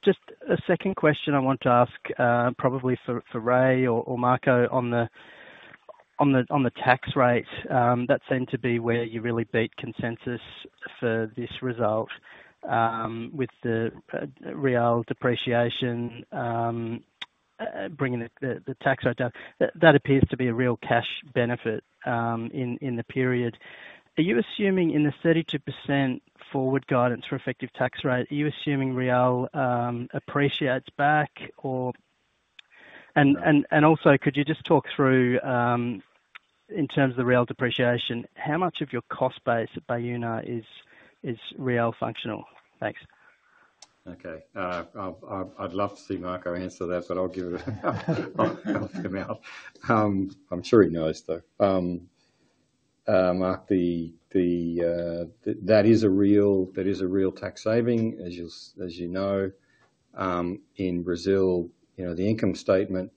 Just a second question I want to ask probably for Ray or Marco on the tax rate. That seemed to be where you really beat consensus for this result with the real depreciation bringing the tax rate. That appears to be a real cash benefit in the period. Are you assuming in the 32% forward guidance for effective tax rate, are you assuming real appreciates back or? And also, could you just talk through in terms of the real depreciation, how much of your cost base at Baúna is real functional? Thanks. Okay. I'd love to see Marco answer that, but I'll give him a shout. I'm sure he knows, though. Mark, that is a real tax saving, as you know. In Brazil, the income statement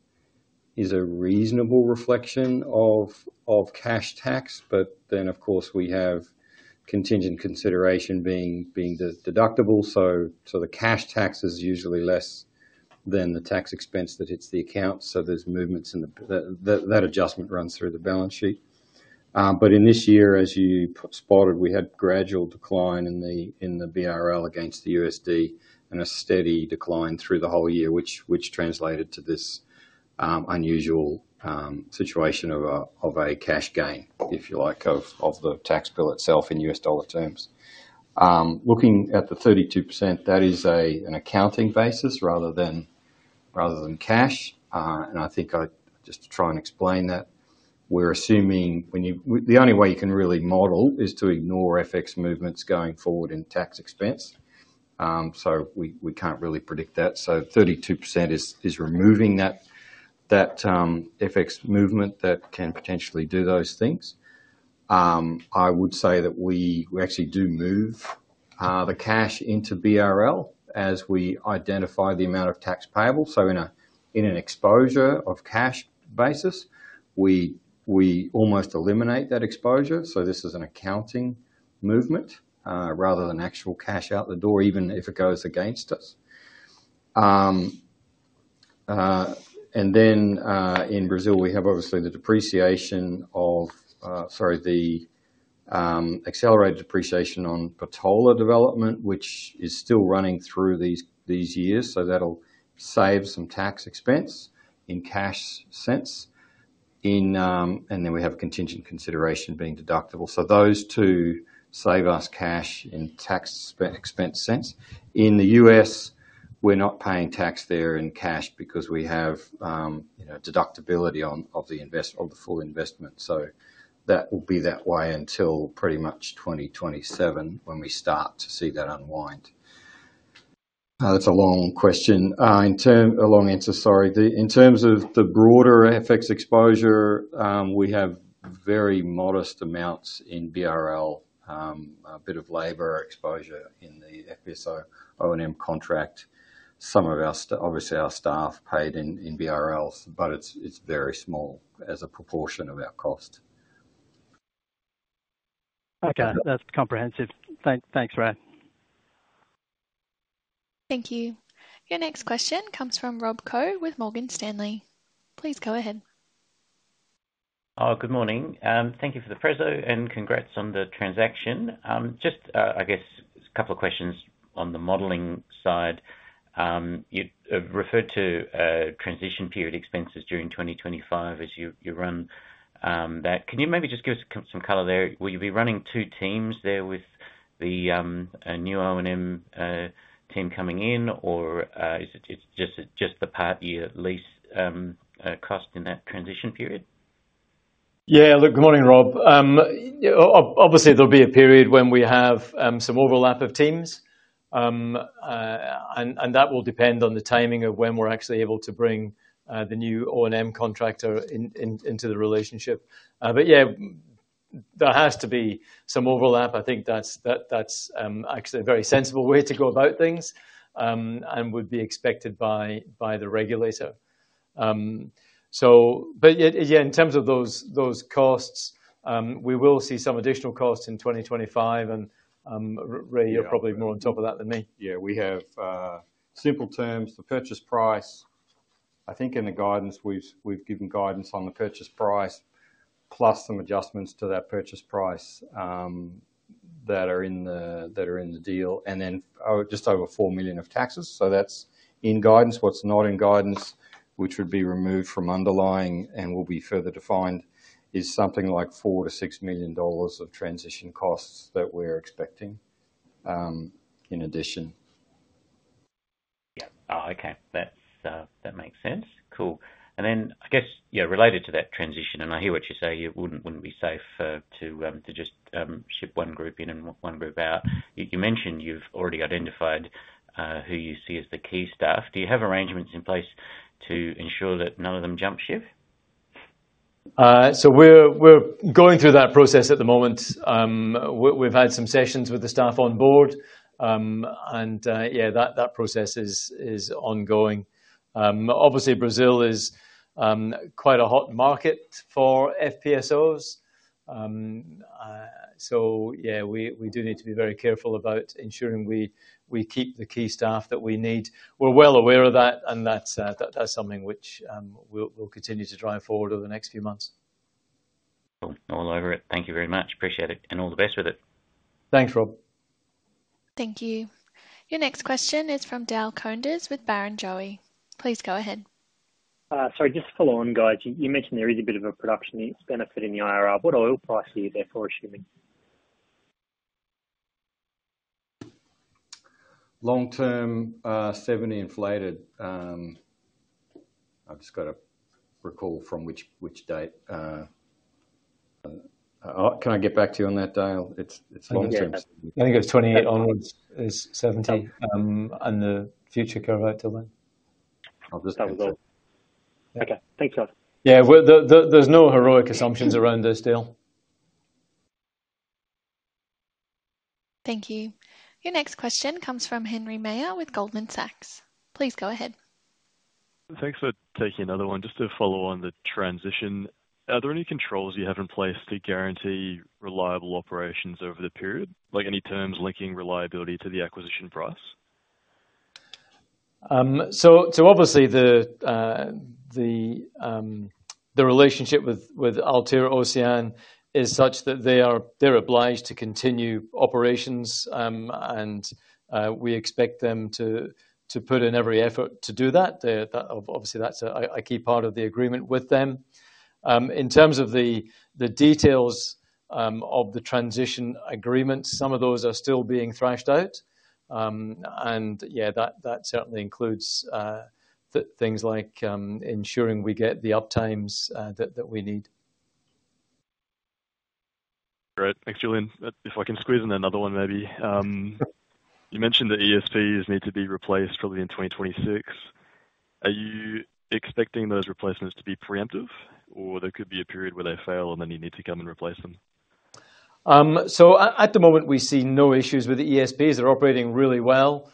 is a reasonable reflection of cash tax, but then, of course, we have contingent consideration being deductible. So the cash tax is usually less than the tax expense that hits the account. So there's movements in that adjustment runs through the balance sheet. But in this year, as you spotted, we had gradual decline in the BRL against the USD and a steady decline through the whole year, which translated to this unusual situation of a cash gain, if you like, of the tax bill itself in US dollar terms. Looking at the 32%, that is an accounting basis rather than cash. I think just to try and explain that, we're assuming the only way you can really model is to ignore FX movements going forward in tax expense. So we can't really predict that. So 32% is removing that FX movement that can potentially do those things. I would say that we actually do move the cash into BRL as we identify the amount of tax payable. So in an exposure of cash basis, we almost eliminate that exposure. So this is an accounting movement rather than actual cash out the door, even if it goes against us. And then in Brazil, we have obviously the depreciation of, sorry, the accelerated depreciation on petroleum development, which is still running through these years. So that'll save some tax expense in cash sense. And then we have contingent consideration being deductible. So those two save us cash in tax expense sense. In the U.S., we're not paying tax there in cash because we have deductibility of the full investment. So that will be that way until pretty much 2027 when we start to see that unwind. That's a long question. A long answer, sorry. In terms of the broader FX exposure, we have very modest amounts in BRL, a bit of labor exposure in the FPSO O&M contract. Some of our, obviously, our staff paid in BRLs, but it's very small as a proportion of our cost. Okay. That's comprehensive. Thanks, Ray. Thank you. Your next question comes from Rob Coe with Morgan Stanley. Please go ahead. Oh, good morning. Thank you for the presentation and congrats on the transaction. Just, I guess, a couple of questions on the modeling side. You referred to transition period expenses during 2025 as you run that. Can you maybe just give us some color there? Will you be running two teams there with the new O&M team coming in, or is it just the partial lease cost in that transition period? Yeah. Look, good morning, Rob. Obviously, there'll be a period when we have some overlap of teams, and that will depend on the timing of when we're actually able to bring the new O&M contractor into the relationship. But yeah, there has to be some overlap. I think that's actually a very sensible way to go about things and would be expected by the regulator. But yeah, in terms of those costs, we will see some additional costs in 2025, and Ray, you're probably more on top of that than me. Yeah. We have simple terms, the purchase price. I think in the guidance, we've given guidance on the purchase price plus some adjustments to that purchase price that are in the deal. And then just over $4 million of taxes. So that's in guidance. What's not in guidance, which would be removed from underlying and will be further defined, is something like $4-$6 million of transition costs that we're expecting in addition. Yeah. Oh, okay. That makes sense. Cool, and then I guess, yeah, related to that transition, and I hear what you say, it wouldn't be safe to just ship one group in and one group out. You mentioned you've already identified who you see as the key staff. Do you have arrangements in place to ensure that none of them jump ship? So we're going through that process at the moment. We've had some sessions with the staff on board. And yeah, that process is ongoing. Obviously, Brazil is quite a hot market for FPSOs. So yeah, we do need to be very careful about ensuring we keep the key staff that we need. We're well aware of that, and that's something which we'll continue to drive forward over the next few months. All over it. Thank you very much. Appreciate it. And all the best with it. Thanks, Rob. Thank you. Your next question is from Dale Koenders with Barrenjoey. Please go ahead. Sorry, just to follow on, guys, you mentioned there is a bit of a production benefit in the IRR. What oil price are you therefore assuming? Long term, 70 inflated. I've just got to recall from which date. Can I get back to you on that, Dale? It's long term. Yeah. I think it was 28 onwards is 70. And the future go right till then. I'll just. Okay. Thanks, guys. Yeah. There's no heroic assumptions around this deal. Thank you. Your next question comes from Henry Meyer with Goldman Sachs. Please go ahead. Thanks for taking another one. Just to follow on the transition, are there any controls you have in place to guarantee reliable operations over the period, like any terms linking reliability to the acquisition price? Obviously, the relationship with Altera & Ocyan is such that they're obliged to continue operations, and we expect them to put in every effort to do that. Obviously, that's a key part of the agreement with them. In terms of the details of the transition agreement, some of those are still being thrashed out. Yeah, that certainly includes things like ensuring we get the uptimes that we need. All right. Thanks, Julian. If I can squeeze in another one, maybe. You mentioned the ESPs need to be replaced probably in 2026. Are you expecting those replacements to be preemptive, or there could be a period where they fail and then you need to come and replace them? So at the moment, we see no issues with the ESPs. They're operating really well.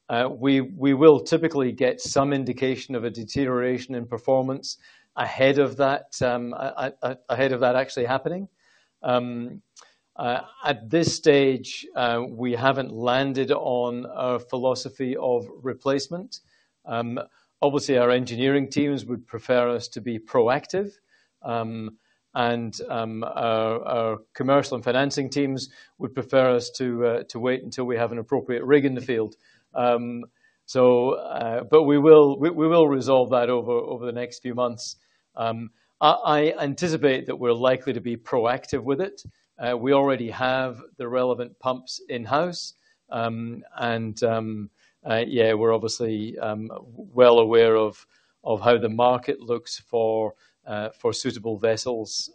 We will typically get some indication of a deterioration in performance ahead of that, ahead of that actually happening. At this stage, we haven't landed on a philosophy of replacement. Obviously, our engineering teams would prefer us to be proactive, and our commercial and financing teams would prefer us to wait until we have an appropriate rig in the field. But we will resolve that over the next few months. I anticipate that we're likely to be proactive with it. We already have the relevant pumps in-house. And yeah, we're obviously well aware of how the market looks for suitable vessels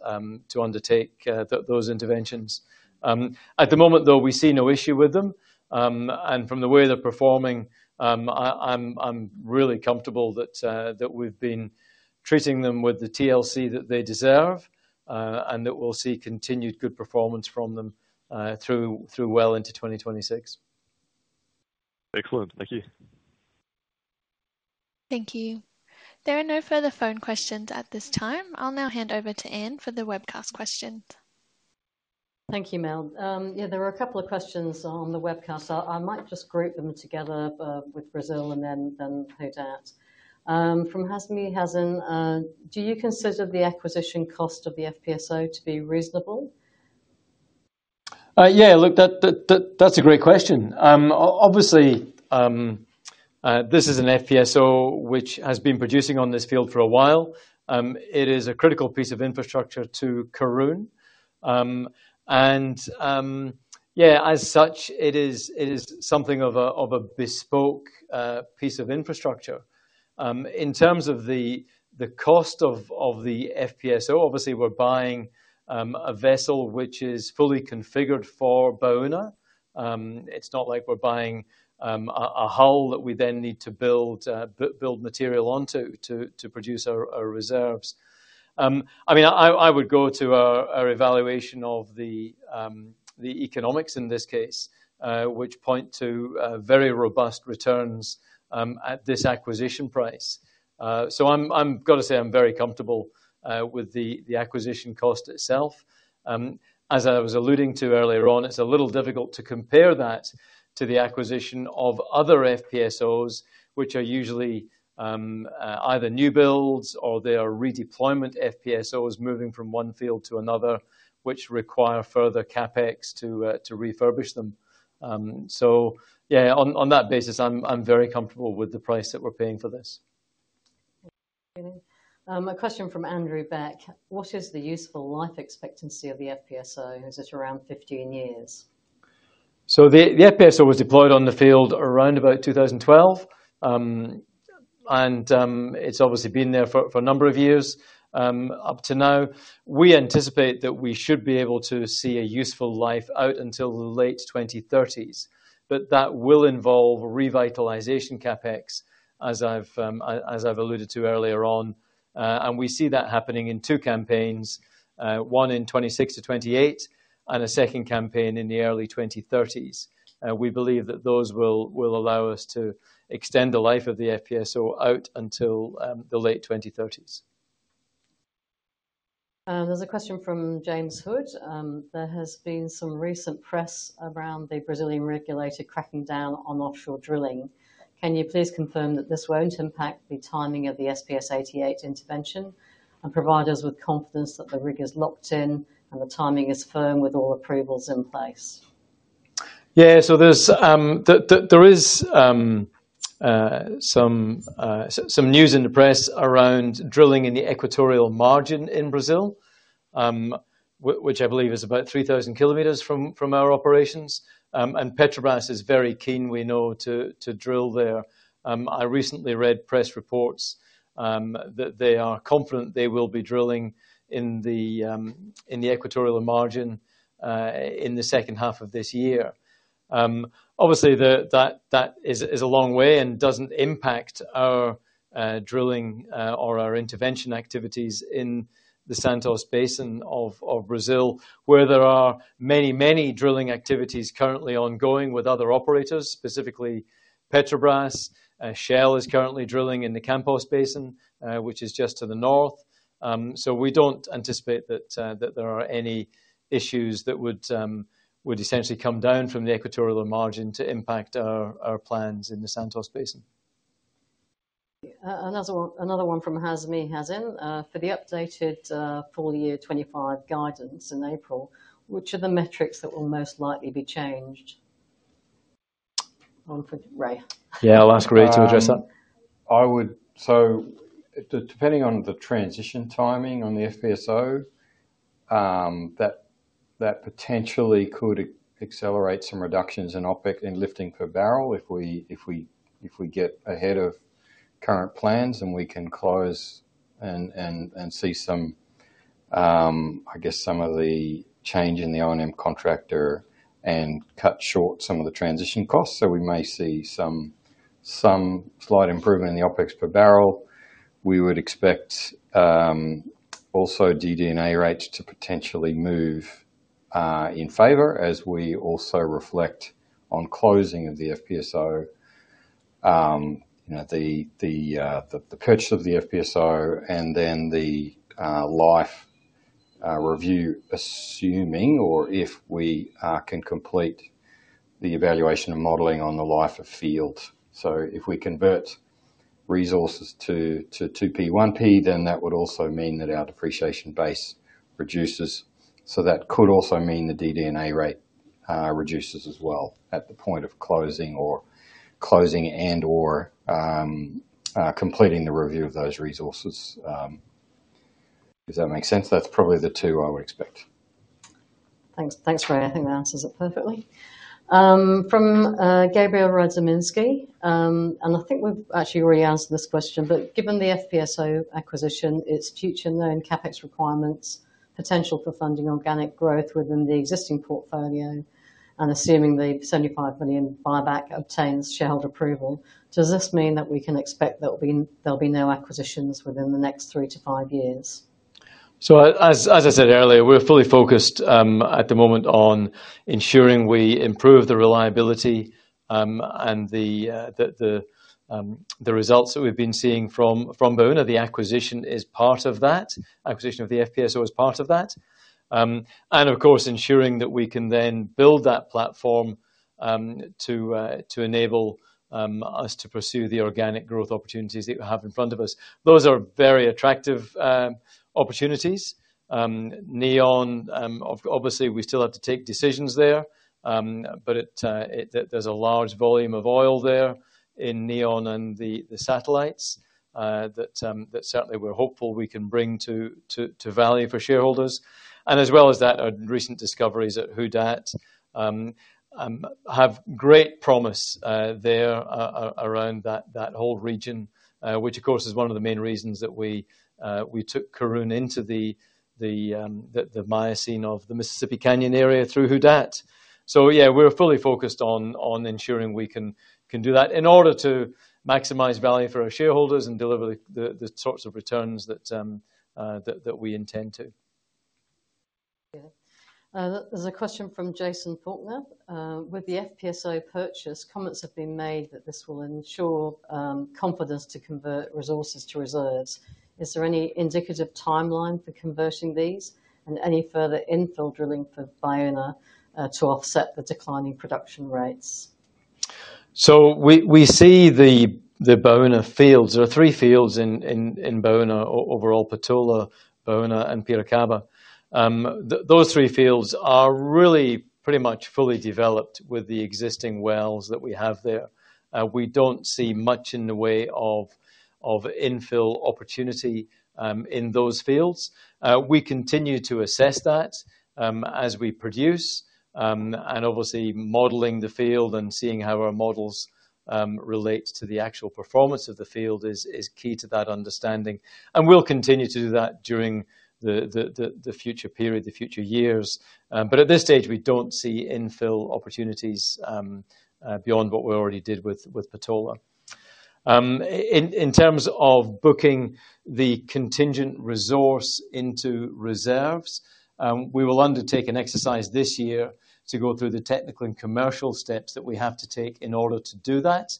to undertake those interventions. At the moment, though, we see no issue with them. From the way they're performing, I'm really comfortable that we've been treating them with the TLC that they deserve and that we'll see continued good performance from them through well into 2026. Excellent. Thank you. Thank you. There are no further phone questions at this time. I'll now hand over to Ann for the webcast questions. Thank you, Mel. Yeah, there are a couple of questions on the webcast. I might just group them together with Brazil and then hope that. From Hasmi Hazan, do you consider the acquisition cost of the FPSO to be reasonable? Yeah. Look, that's a great question. Obviously, this is an FPSO which has been producing on this field for a while. It is a critical piece of infrastructure to Karoon. And yeah, as such, it is something of a bespoke piece of infrastructure. In terms of the cost of the FPSO, obviously, we're buying a vessel which is fully configured for Baúna. It's not like we're buying a hull that we then need to build material onto to produce our reserves. I mean, I would go to our evaluation of the economics in this case, which point to very robust returns at this acquisition price. So I've got to say I'm very comfortable with the acquisition cost itself. As I was alluding to earlier on, it's a little difficult to compare that to the acquisition of other FPSOs, which are usually either new builds or they are redeployment FPSOs moving from one field to another, which require further CapEx to refurbish them. So yeah, on that basis, I'm very comfortable with the price that we're paying for this. A question from Andrew Beck. What is the useful life expectancy of the FPSO? Is it around 15 years? The FPSO was deployed on the field around about 2012, and it's obviously been there for a number of years up to now. We anticipate that we should be able to see a useful life out until the late 2030s. But that will involve revitalization CapEx, as I've alluded to earlier on. And we see that happening in two campaigns, one in 2026-2028 and a second campaign in the early 2030s. We believe that those will allow us to extend the life of the FPSO out until the late 2030s. There's a question from James Hood. There has been some recent press around the Brazilian regulator cracking down on offshore drilling. Can you please confirm that this won't impact the timing of the SPS-88 intervention and provide us with confidence that the rig is locked in and the timing is firm with all approvals in place? Yeah. So there is some news in the press around drilling in the Equatorial Margin in Brazil, which I believe is about 3,000 km from our operations, and Petrobras is very keen, we know, to drill there. I recently read press reports that they are confident they will be drilling in the Equatorial Margin in the second half of this year. Obviously, that is a long way and doesn't impact our drilling or our intervention activities in the Santos Basin of Brazil, where there are many, many drilling activities currently ongoing with other operators, specifically Petrobras. Shell is currently drilling in the Campos Basin, which is just to the north, so we don't anticipate that there are any issues that would essentially come down from the Equatorial Margin to impact our plans in the Santos Basin. Another one from Hasmi Hazan. For the updated full year 2025 guidance in April, which are the metrics that will most likely be changed? One for Ray. Yeah, I'll ask Ray to address that. So depending on the transition timing on the FPSO, that potentially could accelerate some reductions in lifting per barrel if we get ahead of current plans and we can close and see some, I guess, some of the change in the O&M contractor and cut short some of the transition costs. So we may see some slight improvement in the OpEx per barrel. We would expect also DD&A rates to potentially move in favor as we also reflect on closing of the FPSO, the purchase of the FPSO, and then the life review, assuming or if we can complete the evaluation and modeling on the life of field. So if we convert resources to 2P/1P, then that would also mean that our depreciation base reduces. So that could also mean the DD&A rate reduces as well at the point of closing or closing and/or completing the review of those resources. Does that make sense? That's probably the two I would expect. Thanks, Ray. I think that answers it perfectly. From Gabriel Radziminski. And I think we've actually already answered this question. But given the FPSO acquisition, its future known CapEx requirements, potential for funding organic growth within the existing portfolio, and assuming the 75 million buyback obtains shareholder approval, does this mean that we can expect there'll be no acquisitions within the next three to five years? So as I said earlier, we're fully focused at the moment on ensuring we improve the reliability and the results that we've been seeing from Baúna. The acquisition is part of that. Acquisition of the FPSO is part of that. And of course, ensuring that we can then build that platform to enable us to pursue the organic growth opportunities that we have in front of us. Those are very attractive opportunities. Neon, obviously, we still have to take decisions there, but there's a large volume of oil there in Neon and the satellites that certainly we're hopeful we can bring to value for shareholders. And as well as that, our recent discoveries at Who Dat have great promise there around that whole region, which, of course, is one of the main reasons that we took Karoon into the Miocene of the Mississippi Canyon area through Who Dat. So yeah, we're fully focused on ensuring we can do that in order to maximize value for our shareholders and deliver the sorts of returns that we intend to. There's a question from Jason Faulkner. With the FPSO purchase, comments have been made that this will ensure confidence to convert resources to reserves. Is there any indicative timeline for converting these and any further infill drilling for Baúna to offset the declining production rates? So we see the Baúna fields. There are three fields in Baúna, overall, Patola, Baúna, and Piracaba. Those three fields are really pretty much fully developed with the existing wells that we have there. We don't see much in the way of infill opportunity in those fields. We continue to assess that as we produce. And obviously, modeling the field and seeing how our models relate to the actual performance of the field is key to that understanding. And we'll continue to do that during the future period, the future years. But at this stage, we don't see infill opportunities beyond what we already did with Patola. In terms of booking the contingent resource into reserves, we will undertake an exercise this year to go through the technical and commercial steps that we have to take in order to do that.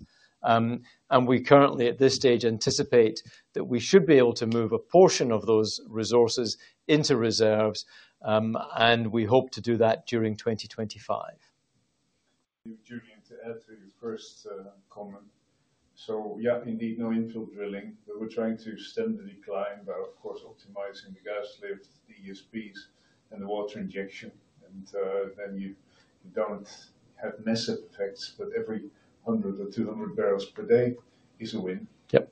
We currently, at this stage, anticipate that we should be able to move a portion of those resources into reserves. We hope to do that during 2025. Julian, to add to your first comment. So yeah, indeed, no infill drilling. We were trying to stem the decline, but of course, optimizing the gas lift, the ESPs, and the water injection. And then you don't have massive effects, but every 100 or 200 barrels per day is a win. Yep.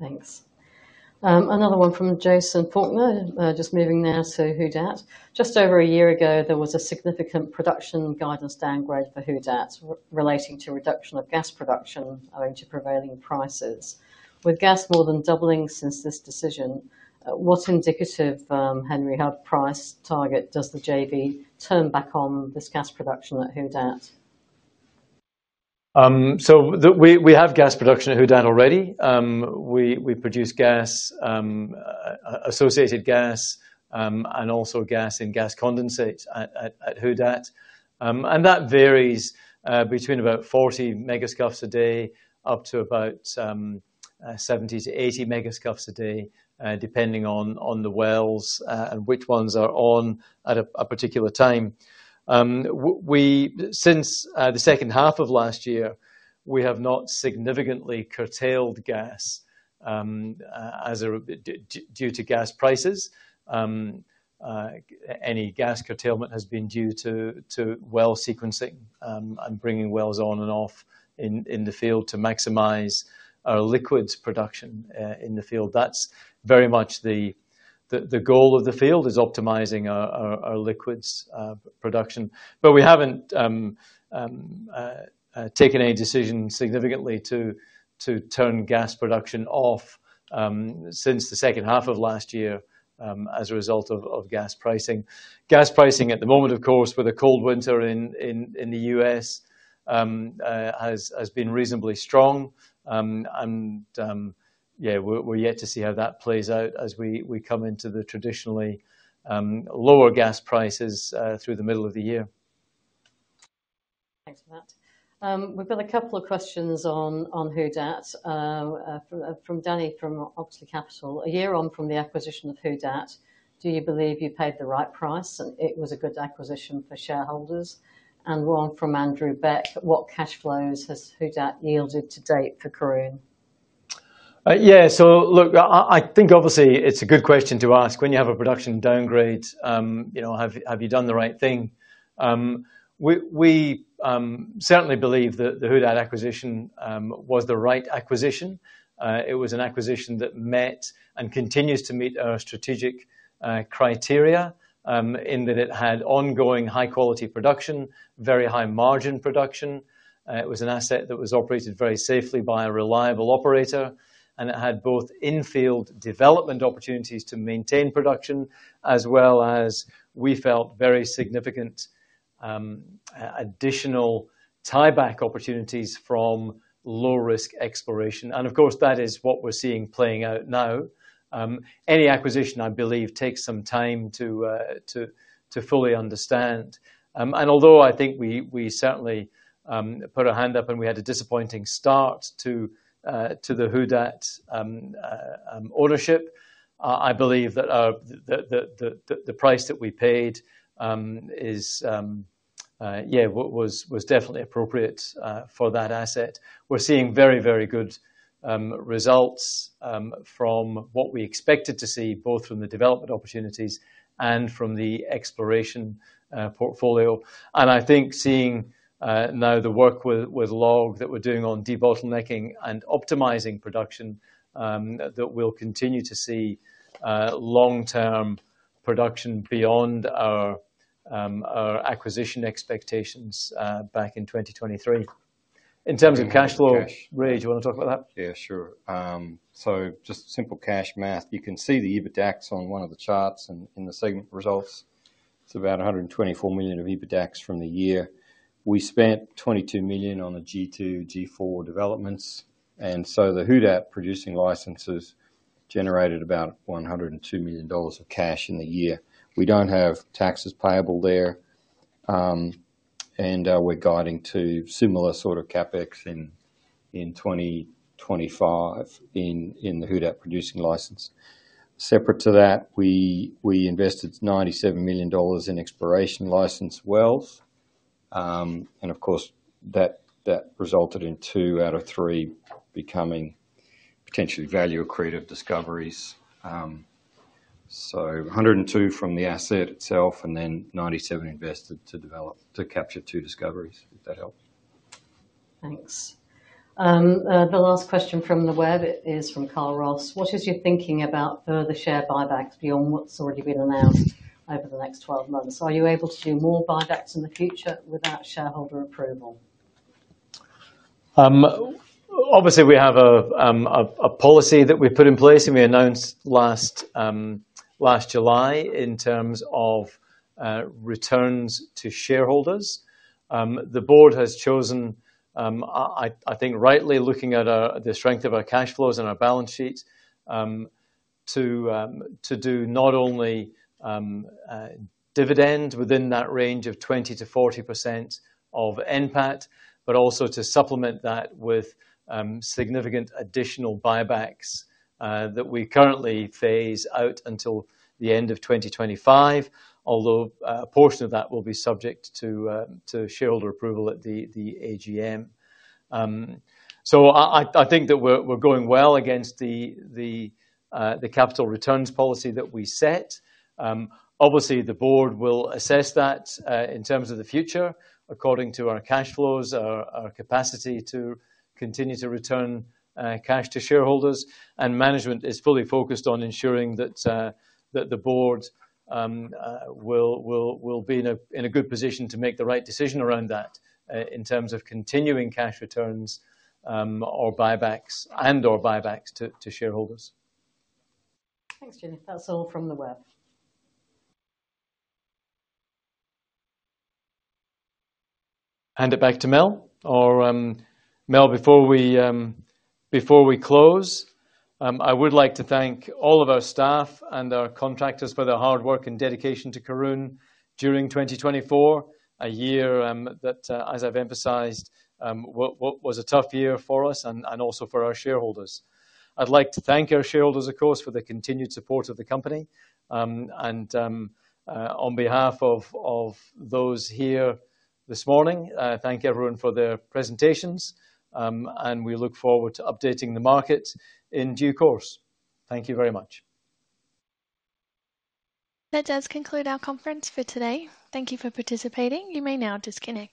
Thanks. Another one from Jason Faulkner, just moving now to Who Dat. Just over a year ago, there was a significant production guidance downgrade for Who Dat relating to reduction of gas production owing to prevailing prices. With gas more than doubling since this decision, what indicative, Henry, how price target does the JV turn back on this gas production at Who Dat? So we have gas production at Who Dat already. We produce gas, associated gas, and also gas and gas condensate at Who Dat. And that varies between about 40 MMscf a day up to about 70 to 80 MMscf a day, depending on the wells and which ones are on at a particular time. Since the second half of last year, we have not significantly curtailed gas due to gas prices. Any gas curtailment has been due to well sequencing and bringing wells on and off in the field to maximize our liquids production in the field. That's very much the goal of the field is optimizing our liquids production. But we haven't taken any decision significantly to turn gas production off since the second half of last year as a result of gas pricing. Gas pricing at the moment, of course, with a cold winter in the U.S. has been reasonably strong. And yeah, we're yet to see how that plays out as we come into the traditionally lower gas prices through the middle of the year. Thanks for that. We've got a couple of questions on Who Dat from Danny from Oversley Capital. A year on from the acquisition of Who Dat, do you believe you paid the right price and it was a good acquisition for shareholders? And one from Andrew Beck. What cash flows has Who Dat yielded to date for Karoon? Yeah. So look, I think obviously it's a good question to ask when you have a production downgrade, have you done the right thing? We certainly believe that the Who Dat acquisition was the right acquisition. It was an acquisition that met and continues to meet our strategic criteria in that it had ongoing high-quality production, very high margin production. It was an asset that was operated very safely by a reliable operator. And it had both infield development opportunities to maintain production as well as we felt very significant additional tieback opportunities from low-risk exploration. And of course, that is what we're seeing playing out now. Any acquisition, I believe, takes some time to fully understand. And although I think we certainly put our hand up and we had a disappointing start to the Who Dat ownership, I believe that the price that we paid is, yeah, was definitely appropriate for that asset. We're seeing very, very good results from what we expected to see both from the development opportunities and from the exploration portfolio. And I think seeing now the work with LLOG that we're doing on debottlenecking and optimizing production that we'll continue to see long-term production beyond our acquisition expectations back in 2023. In terms of cash flow, Ray, do you want to talk about that? Yeah, sure. So just simple cash math, you can see the EBITDA on one of the charts in the segment results. It's about $124 million of EBITDA from the year. We spent $22 million on the G2, G4 developments. And so the Who Dat producing licenses generated about $102 million of cash in the year. We don't have taxes payable there. And we're guiding to similar sort of CapEx in 2025 in the Who Dat producing license. Separate to that, we invested $97 million in exploration license wells. And of course, that resulted in two out of three becoming potentially value accretive discoveries. So 102 from the asset itself and then 97 invested to capture two discoveries, if that helps. Thanks. The last question from the web is from Carl Ross. What is your thinking about further share buybacks beyond what's already been announced over the next 12 months? Are you able to do more buybacks in the future without shareholder approval? Obviously, we have a policy that we put in place and we announced last July in terms of returns to shareholders. The board has chosen, I think rightly, looking at the strength of our cash flows and our balance sheets, to do not only dividend within that range of 20%-40% of NPAT, but also to supplement that with significant additional buybacks that we currently phase out until the end of 2025, although a portion of that will be subject to shareholder approval at the AGM. So I think that we're going well against the capital returns policy that we set. Obviously, the board will assess that in terms of the future according to our cash flows, our capacity to continue to return cash to shareholders. Management is fully focused on ensuring that the board will be in a good position to make the right decision around that in terms of continuing cash returns and/or buybacks to shareholders. Thanks, Julian. That's all from the web. Hand it back to Mel. Before we close, I would like to thank all of our staff and our contractors for their hard work and dedication to Karoon during 2024, a year that, as I've emphasized, was a tough year for us and also for our shareholders. I'd like to thank our shareholders, of course, for the continued support of the company. And on behalf of those here this morning, thank everyone for their presentations. And we look forward to updating the market in due course. Thank you very much. That does conclude our conference for today. Thank you for participating. You may now disconnect.